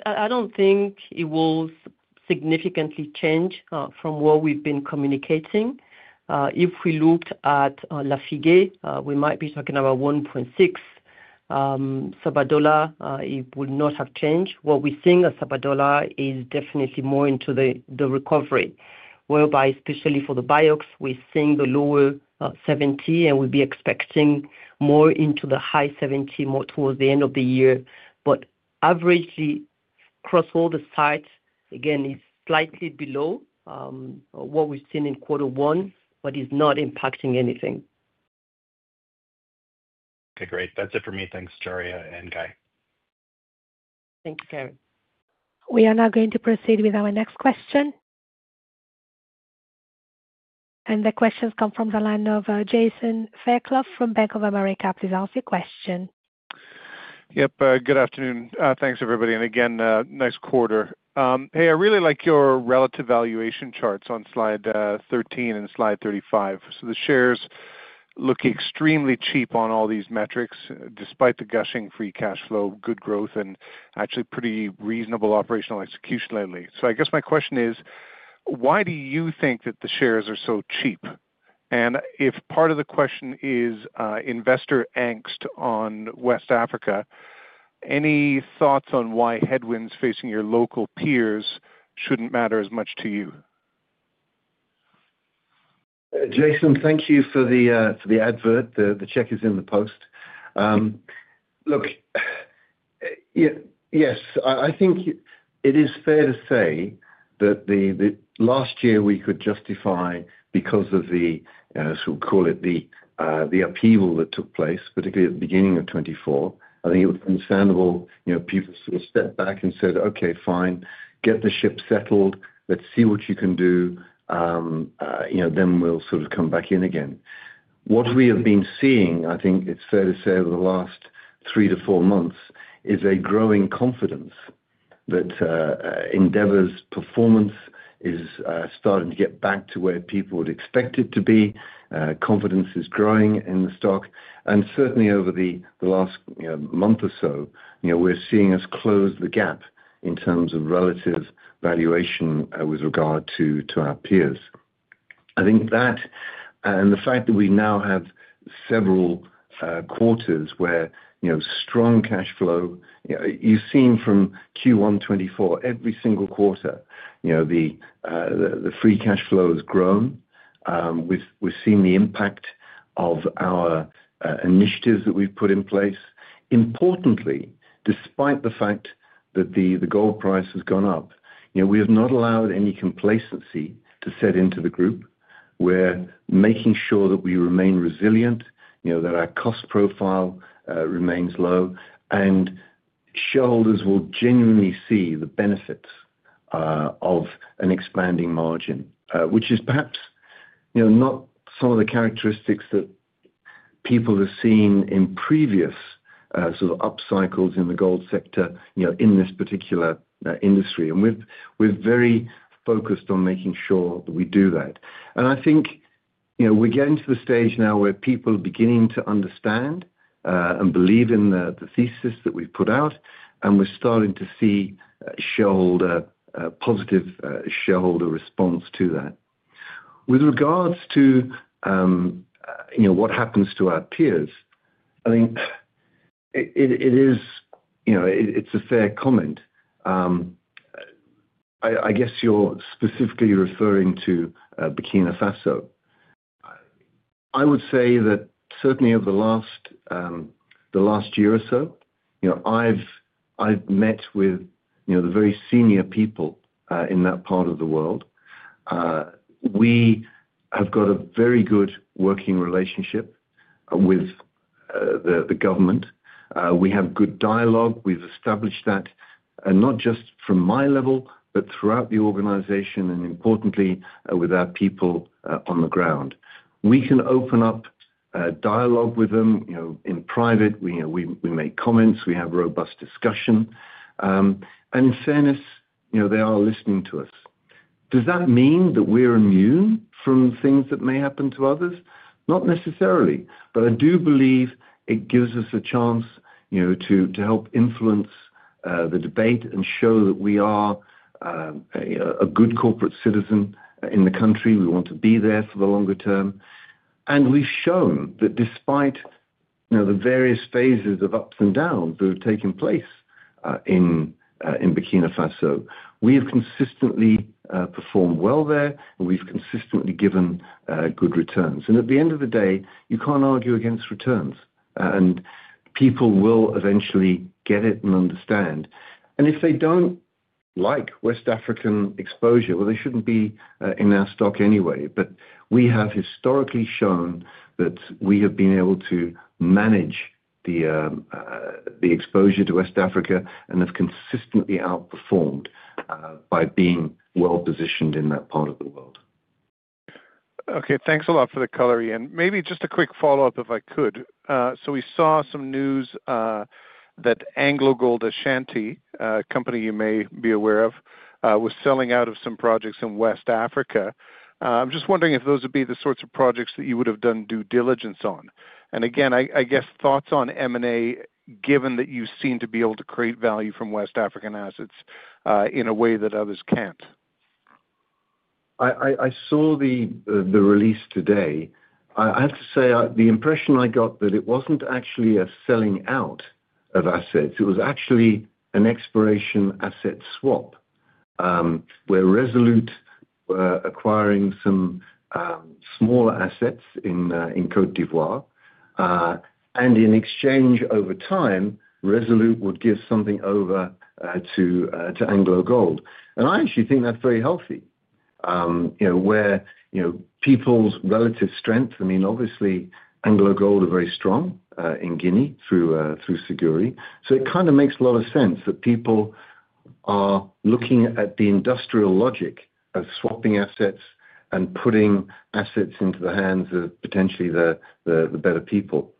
I don't think it will significantly change from what we've been communicating. If we looked at Lafigué, we might be talking about 1.6. Sabodala, it will not have changed. What we're seeing at Sabodala is definitely more into the recovery, whereby, especially for the BIOX, we're seeing the lower 70, and we'll be expecting more into the high 70, more towards the end of the year. But averagely across all the sites, again, it's slightly below what we've seen in quarter one, but it's not impacting anything. Okay. Great. That's it for me. Thanks, Jari and Guy. Thank you, Carey. We are now going to proceed with our next question. The questions come from the line of Jason Fairclough from Bank of America. Please ask your question. Yep. Good afternoon. Thanks, everybody. Again, nice quarter. I really like your relative valuation charts on slide 13 and slide 35. The shares look extremely cheap on all these metrics, despite the gushing free cash flow, good growth, and actually pretty reasonable operational execution lately. I guess my question is, why do you think that the shares are so cheap? And if part of the question is investor angst on West Africa, any thoughts on why headwinds facing your local peers shouldn't matter as much to you? Jason, thank you for the advert. The check is in the post. Look, yes, I think it is fair to say that last year we could justify because of the, so we'll call it the upheaval that took place, particularly at the beginning of 2024, I think it was understandable. People sort of stepped back and said, "Okay, fine. Get the ship settled. Let's see what you can do. What we have been seeing, I think it's fair to say over the last three to four months, is a growing confidence that Endeavour's performance is starting to get back to where people would expect it to be. Confidence is growing in the stock. Certainly over the last month or so, we're seeing us close the gap in terms of relative valuation with regard to our peers. I think that and the fact that we now have several quarters where strong cash flow, you've seen from Q1 2024, every single quarter, the free cash flow has grown. We've seen the impact of our initiatives that we've put in place. Importantly, despite the fact that the gold price has gone up, we have not allowed any complacency to set into the group. We're making sure that we remain resilient, that our cost profile remains low, and shareholders will genuinely see the benefits of an expanding margin, which is perhaps not some of the characteristics that people have seen in previous sort of upcycles in the gold sector in this particular industry. We are very focused on making sure that we do that. I think we're getting to the stage now where people are beginning to understand and believe in the thesis that we've put out, and we're starting to see positive shareholder response to that. With regards to what happens to our peers, I think it's a fair comment. I guess you're specifically referring to Burkina Faso. I would say that certainly over the last year or so, I've met with the very senior people in that part of the world. We have got a very good working relationship with the government. We have good dialogue. We've established that not just from my level, but throughout the organization, and importantly, with our people on the ground. We can open up dialogue with them in private. We make comments. We have robust discussion. In fairness, they are listening to us. Does that mean that we're immune from things that may happen to others? Not necessarily. I do believe it gives us a chance to help influence the debate and show that we are a good corporate citizen in the country. We want to be there for the longer term. We've shown that despite the various phases of ups and downs that have taken place in Burkina Faso, we have consistently performed well there, and we've consistently given good returns. At the end of the day, you can't argue against returns. People will eventually get it and understand. If they don't like West African exposure, they shouldn't be in our stock anyway. We have historically shown that we have been able to manage the exposure to West Africa and have consistently outperformed by being well-positioned in that part of the world. Okay. Thanks a lot for the color here. Maybe just a quick follow-up, if I could. We saw some news that AngloGold Ashanti, a company you may be aware of, was selling out of some projects in West Africa. I'm just wondering if those would be the sorts of projects that you would have done due diligence on. I guess thoughts on M&A, given that you seem to be able to create value from West African assets in a way that others can't. I saw the release today. I have to say the impression I got that it wasn't actually a selling out of assets. It was actually an exploration asset swap where Resolute were acquiring some smaller assets in Côte d'Ivoire. In exchange over time, Resolute would give something over to AngloGold. I actually think that's very healthy where people's relative strength. I mean, obviously, AngloGold are very strong in Guinea through Siguri. It kind of makes a lot of sense that people are looking at the industrial logic of swapping assets and putting assets into the hands of potentially the better people.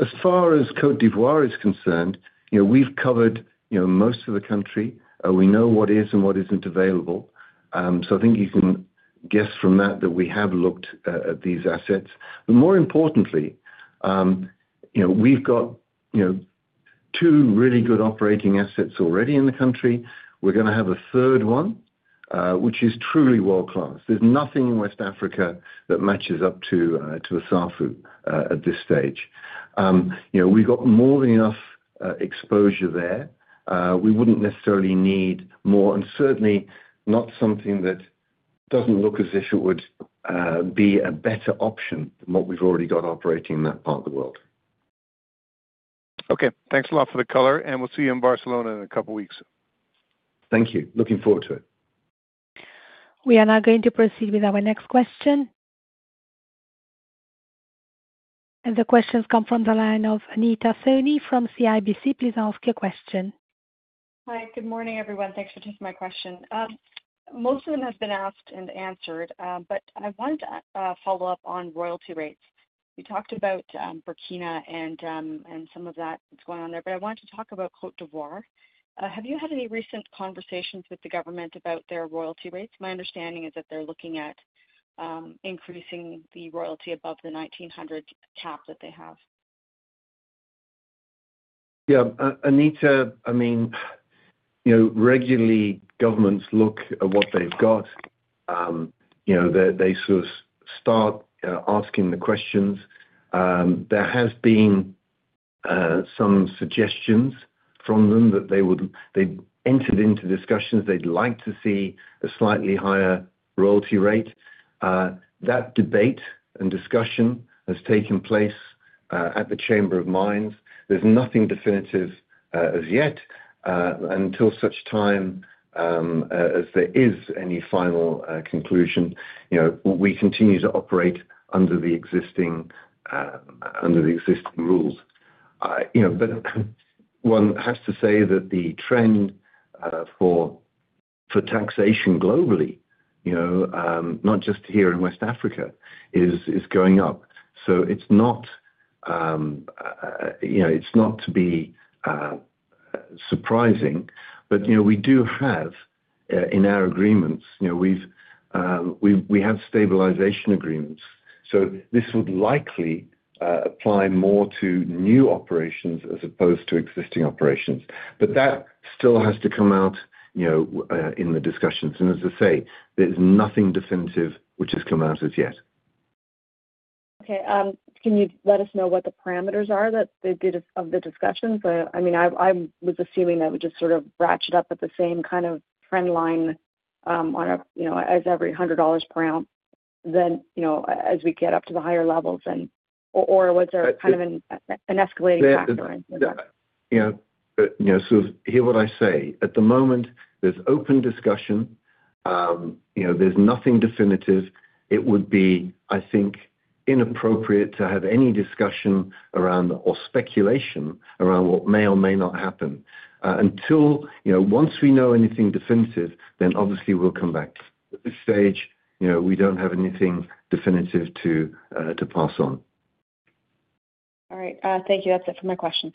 As far as Côte d'Ivoire is concerned, we've covered most of the country. We know what is and what isn't available. I think you can guess from that that we have looked at these assets. More importantly, we've got two really good operating assets already in the country. We're going to have a third one, which is truly world-class. There's nothing in West Africa that matches up to Assafou at this stage. We've got more than enough exposure there. We wouldn't necessarily need more, and certainly not something that doesn't look as if it would be a better option than what we've already got operating in that part of the world. Okay. Thanks a lot for the color. We'll see you in Barcelona in a couple of weeks. Thank you. Looking forward to it. We are now going to proceed with our next question. The questions come from Anita Soni from CIBC. Please ask your question. Hi. Good morning, everyone. Thanks for taking my question. Most of them have been asked and answered, but I want to follow up on royalty rates. You talked about Burkina and some of that that's going on there, but I wanted to talk about Côte d'Ivoire. Have you had any recent conversations with the government about their royalty rates? My understanding is that they're looking at increasing the royalty above the $1,900 cap that they have. Yeah. Anita, I mean, regularly governments look at what they've got. They sort of start asking the questions. There have been some suggestions from them that they entered into discussions they'd like to see a slightly higher royalty rate. That debate and discussion has taken place at the Chamber of Mines. There's nothing definitive as yet. Until such time as there is any final conclusion, we continue to operate under the existing rules. One has to say that the trend for taxation globally, not just here in West Africa, is going up. It is not surprising, but we do have in our agreements, we have stabilization agreements. This would likely apply more to new operations as opposed to existing operations. That still has to come out in the discussions. As I say, there is nothing definitive which has come out as yet. Okay. Can you let us know what the parameters are of the discussions? I mean, I was assuming that we just sort of ratchet up at the same kind of trend line as every $100 per ounce as we get up to the higher levels, or was there kind of an escalating factor? Yeah. Hear what I say. At the moment, there is open discussion. There is nothing definitive. It would be, I think, inappropriate to have any discussion around or speculation around what may or may not happen. Until once we know anything definitive, then obviously we'll come back. At this stage, we don't have anything definitive to pass on. All right. Thank you. That's it for my question.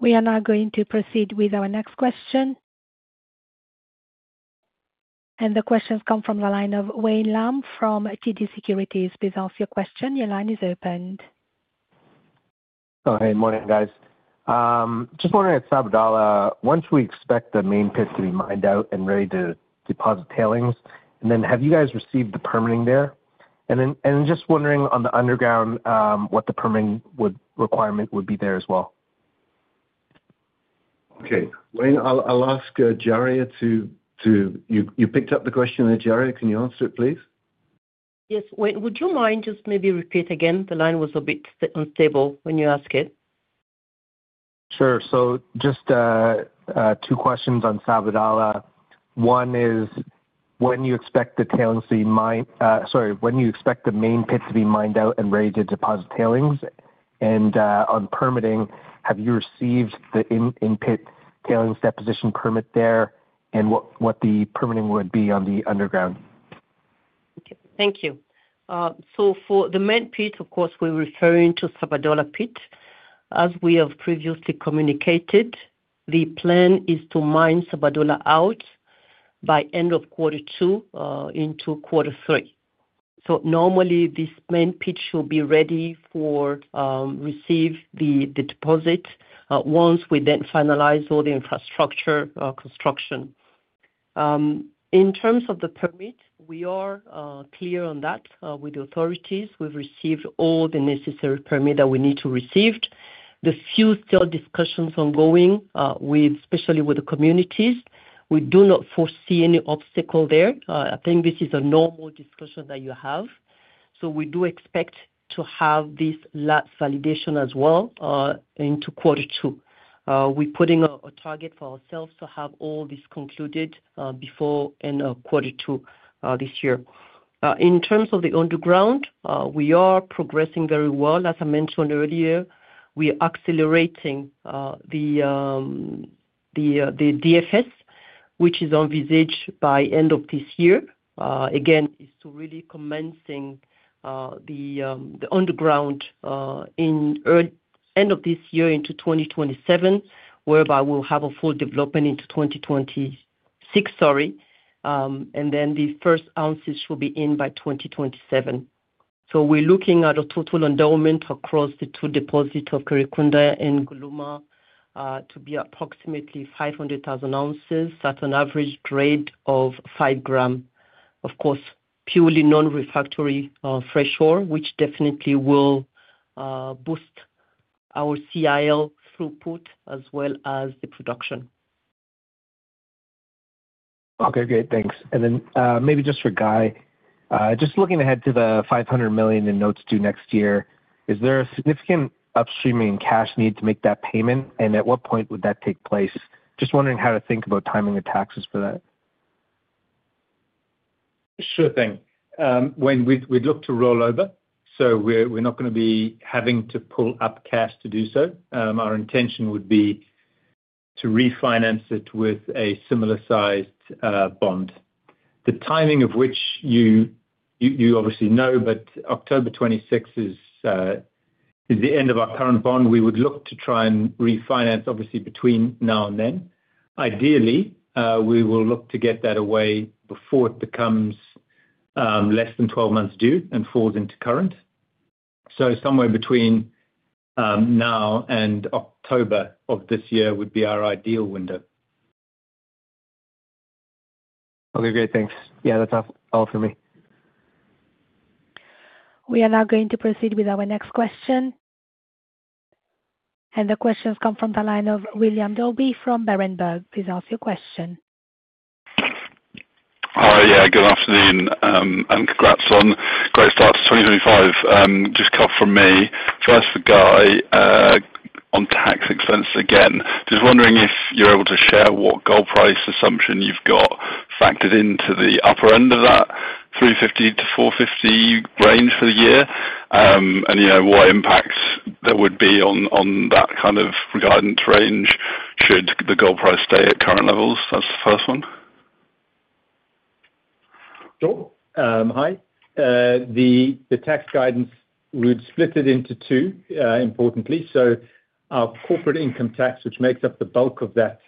We are now going to proceed with our next question. The questions come from Wayne Lam from TD Securities. Please ask your question. Your line is opened. Hi. Morning, guys. Just wondering at Sabodala, once we expect the main pit to be mined out and ready to deposit tailings, and then have you guys received the permitting there? Just wondering on the underground, what the permitting requirement would be there as well. Okay. I'll ask Jari, you picked up the question there, Jari. Can you answer it, please? Yes. Would you mind just maybe repeating again? The line was a bit unstable when you asked it. Sure. Just two questions on Sabodala. One is, when do you expect the tailings to be mined? Sorry. When do you expect the main pit to be mined out and ready to deposit tailings? On permitting, have you received the in-pit tailings deposition permit there and what the permitting would be on the underground? Thank you. For the main pit, of course, we are referring to Sabodala Pit. As we have previously communicated, the plan is to mine Sabodala out by end of quarter two into quarter three. Normally, this main pit should be ready for receiving the deposit once we then finalize all the infrastructure construction. In terms of the permit, we are clear on that with the authorities. We have received all the necessary permits that we need to receive. There's still discussions ongoing, especially with the communities. We do not foresee any obstacle there. I think this is a normal discussion that you have. We do expect to have this last validation as well into quarter two. We're putting a target for ourselves to have all this concluded before quarter two this year. In terms of the underground, we are progressing very well. As I mentioned earlier, we are accelerating the DFS, which is on visage by end of this year. Again, it's to really commencing the underground in end of this year into 2027, whereby we'll have a full development into 2026, sorry. The first ounces should be in by 2027. We are looking at a total endowment across the two deposits of Karikunda and Guluma to be approximately 500,000 ounces at an average grade of 5 gram. Of course, purely non-refractory fresh water, which definitely will boost our CIL throughput as well as the production. Okay. Great. Thanks. Maybe just for Guy, just looking ahead to the $500 million in notes due next year, is there a significant upstreaming cash need to make that payment? At what point would that take place? Just wondering how to think about timing the taxes for that. Sure thing. We'd look to roll over. We're not going to be having to pull up cash to do so. Our intention would be to refinance it with a similar-sized bond. The timing of which you obviously know, but October 26 is the end of our current bond. We would look to try and refinance, obviously, between now and then. Ideally, we will look to get that away before it becomes less than 12 months due and falls into current. Somewhere between now and October of this year would be our ideal window. Okay. Great. Thanks. Yeah. That's all for me. We are now going to proceed with our next question. The questions come from William Dalby from Berenberg. Please ask your question. Hi. Yeah. Good afternoon. And congrats on great start to 2025. Just a couple from me. First, for Guy on tax expense again. Just wondering if you're able to share what gold price assumption you've got factored into the upper end of that $350-$450 range for the year and what impact that would be on that kind of guidance range should the gold price stay at current levels. That's the first one. Sure. Hi. The tax guidance we'd split it into two, importantly. Our corporate income tax, which makes up the bulk of that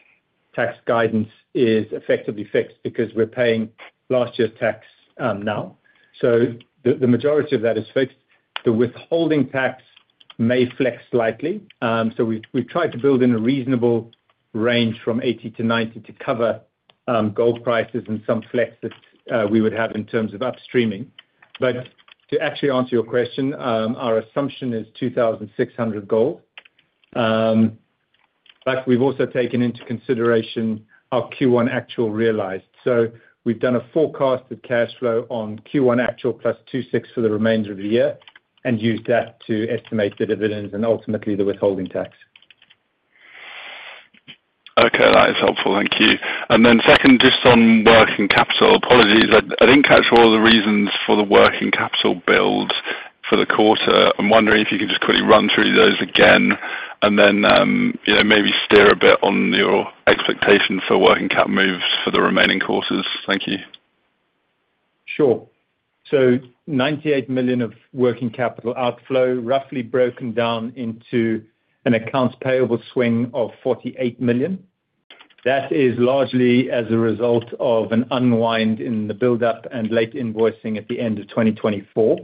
tax guidance, is effectively fixed because we're paying last year's tax now. The majority of that is fixed. The withholding tax may flex slightly. We've tried to build in a reasonable range from 80-90 to cover gold prices and some flex that we would have in terms of upstreaming. To actually answer your question, our assumption is $2,600 gold. In fact, we've also taken into consideration our Q1 actual realized. We've done a forecasted cash flow on Q1 actual plus $2,600 for the remainder of the year and used that to estimate the dividends and ultimately the withholding tax. Okay. That is helpful. Thank you. Second, just on working capital, apologies. I didn't catch all the reasons for the working capital builds for the quarter. I'm wondering if you could just quickly run through those again and then maybe steer a bit on your expectations for working capital moves for the remaining quarters. Thank you. Sure. $98 million of working capital outflow, roughly broken down into an accounts payable swing of $48 million. That is largely as a result of an unwind in the build-up and late invoicing at the end of 2024.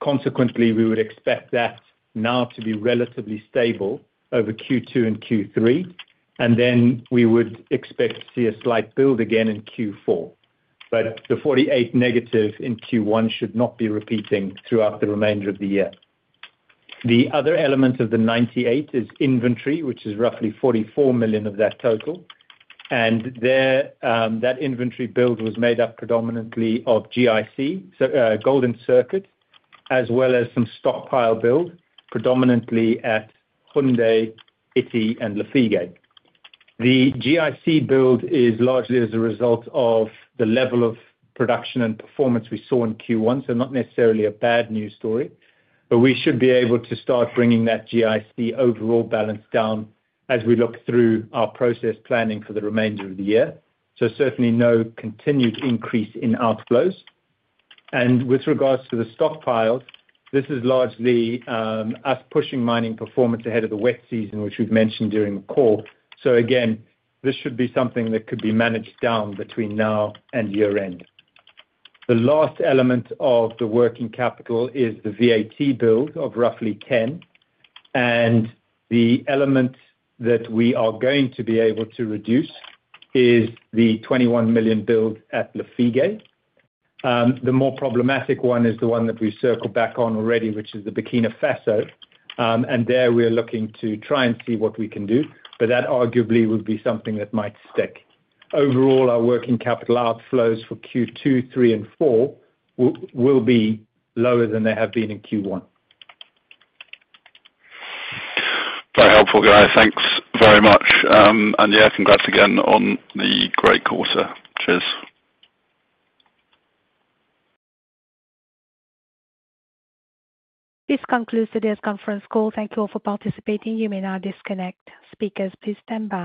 Consequently, we would expect that now to be relatively stable over Q2 and Q3. We would expect to see a slight build again in Q4. The $48 million negative in Q1 should not be repeating throughout the remainder of the year. The other element of the $98 million is inventory, which is roughly $44 million of that total. That inventory build was made up predominantly of GIC, Golden Circuit, as well as some stockpile build, predominantly at Houndé, Ity, and Lafigué. The GIC build is largely as a result of the level of production and performance we saw in Q1, so not necessarily a bad news story. We should be able to start bringing that GIC overall balance down as we look through our process planning for the remainder of the year. Certainly no continued increase in outflows. With regards to the stockpiles, this is largely us pushing mining performance ahead of the wet season, which we've mentioned during the call. This should be something that could be managed down between now and year-end. The last element of the working capital is the VAT build of roughly 10. The element that we are going to be able to reduce is the $21 million build at Lafigué. The more problematic one is the one that we've circled back on already, which is the Burkina Faso. There we are looking to try and see what we can do. That arguably would be something that might stick. Overall, our working capital outflows for Q2, 3, and 4 will be lower than they have been in Q1. Very helpful, Guy. Thanks very much. Congrats again on the great quarter. Cheers. This concludes today's conference call. Thank you all for participating. You may now disconnect. Speakers, please stand by.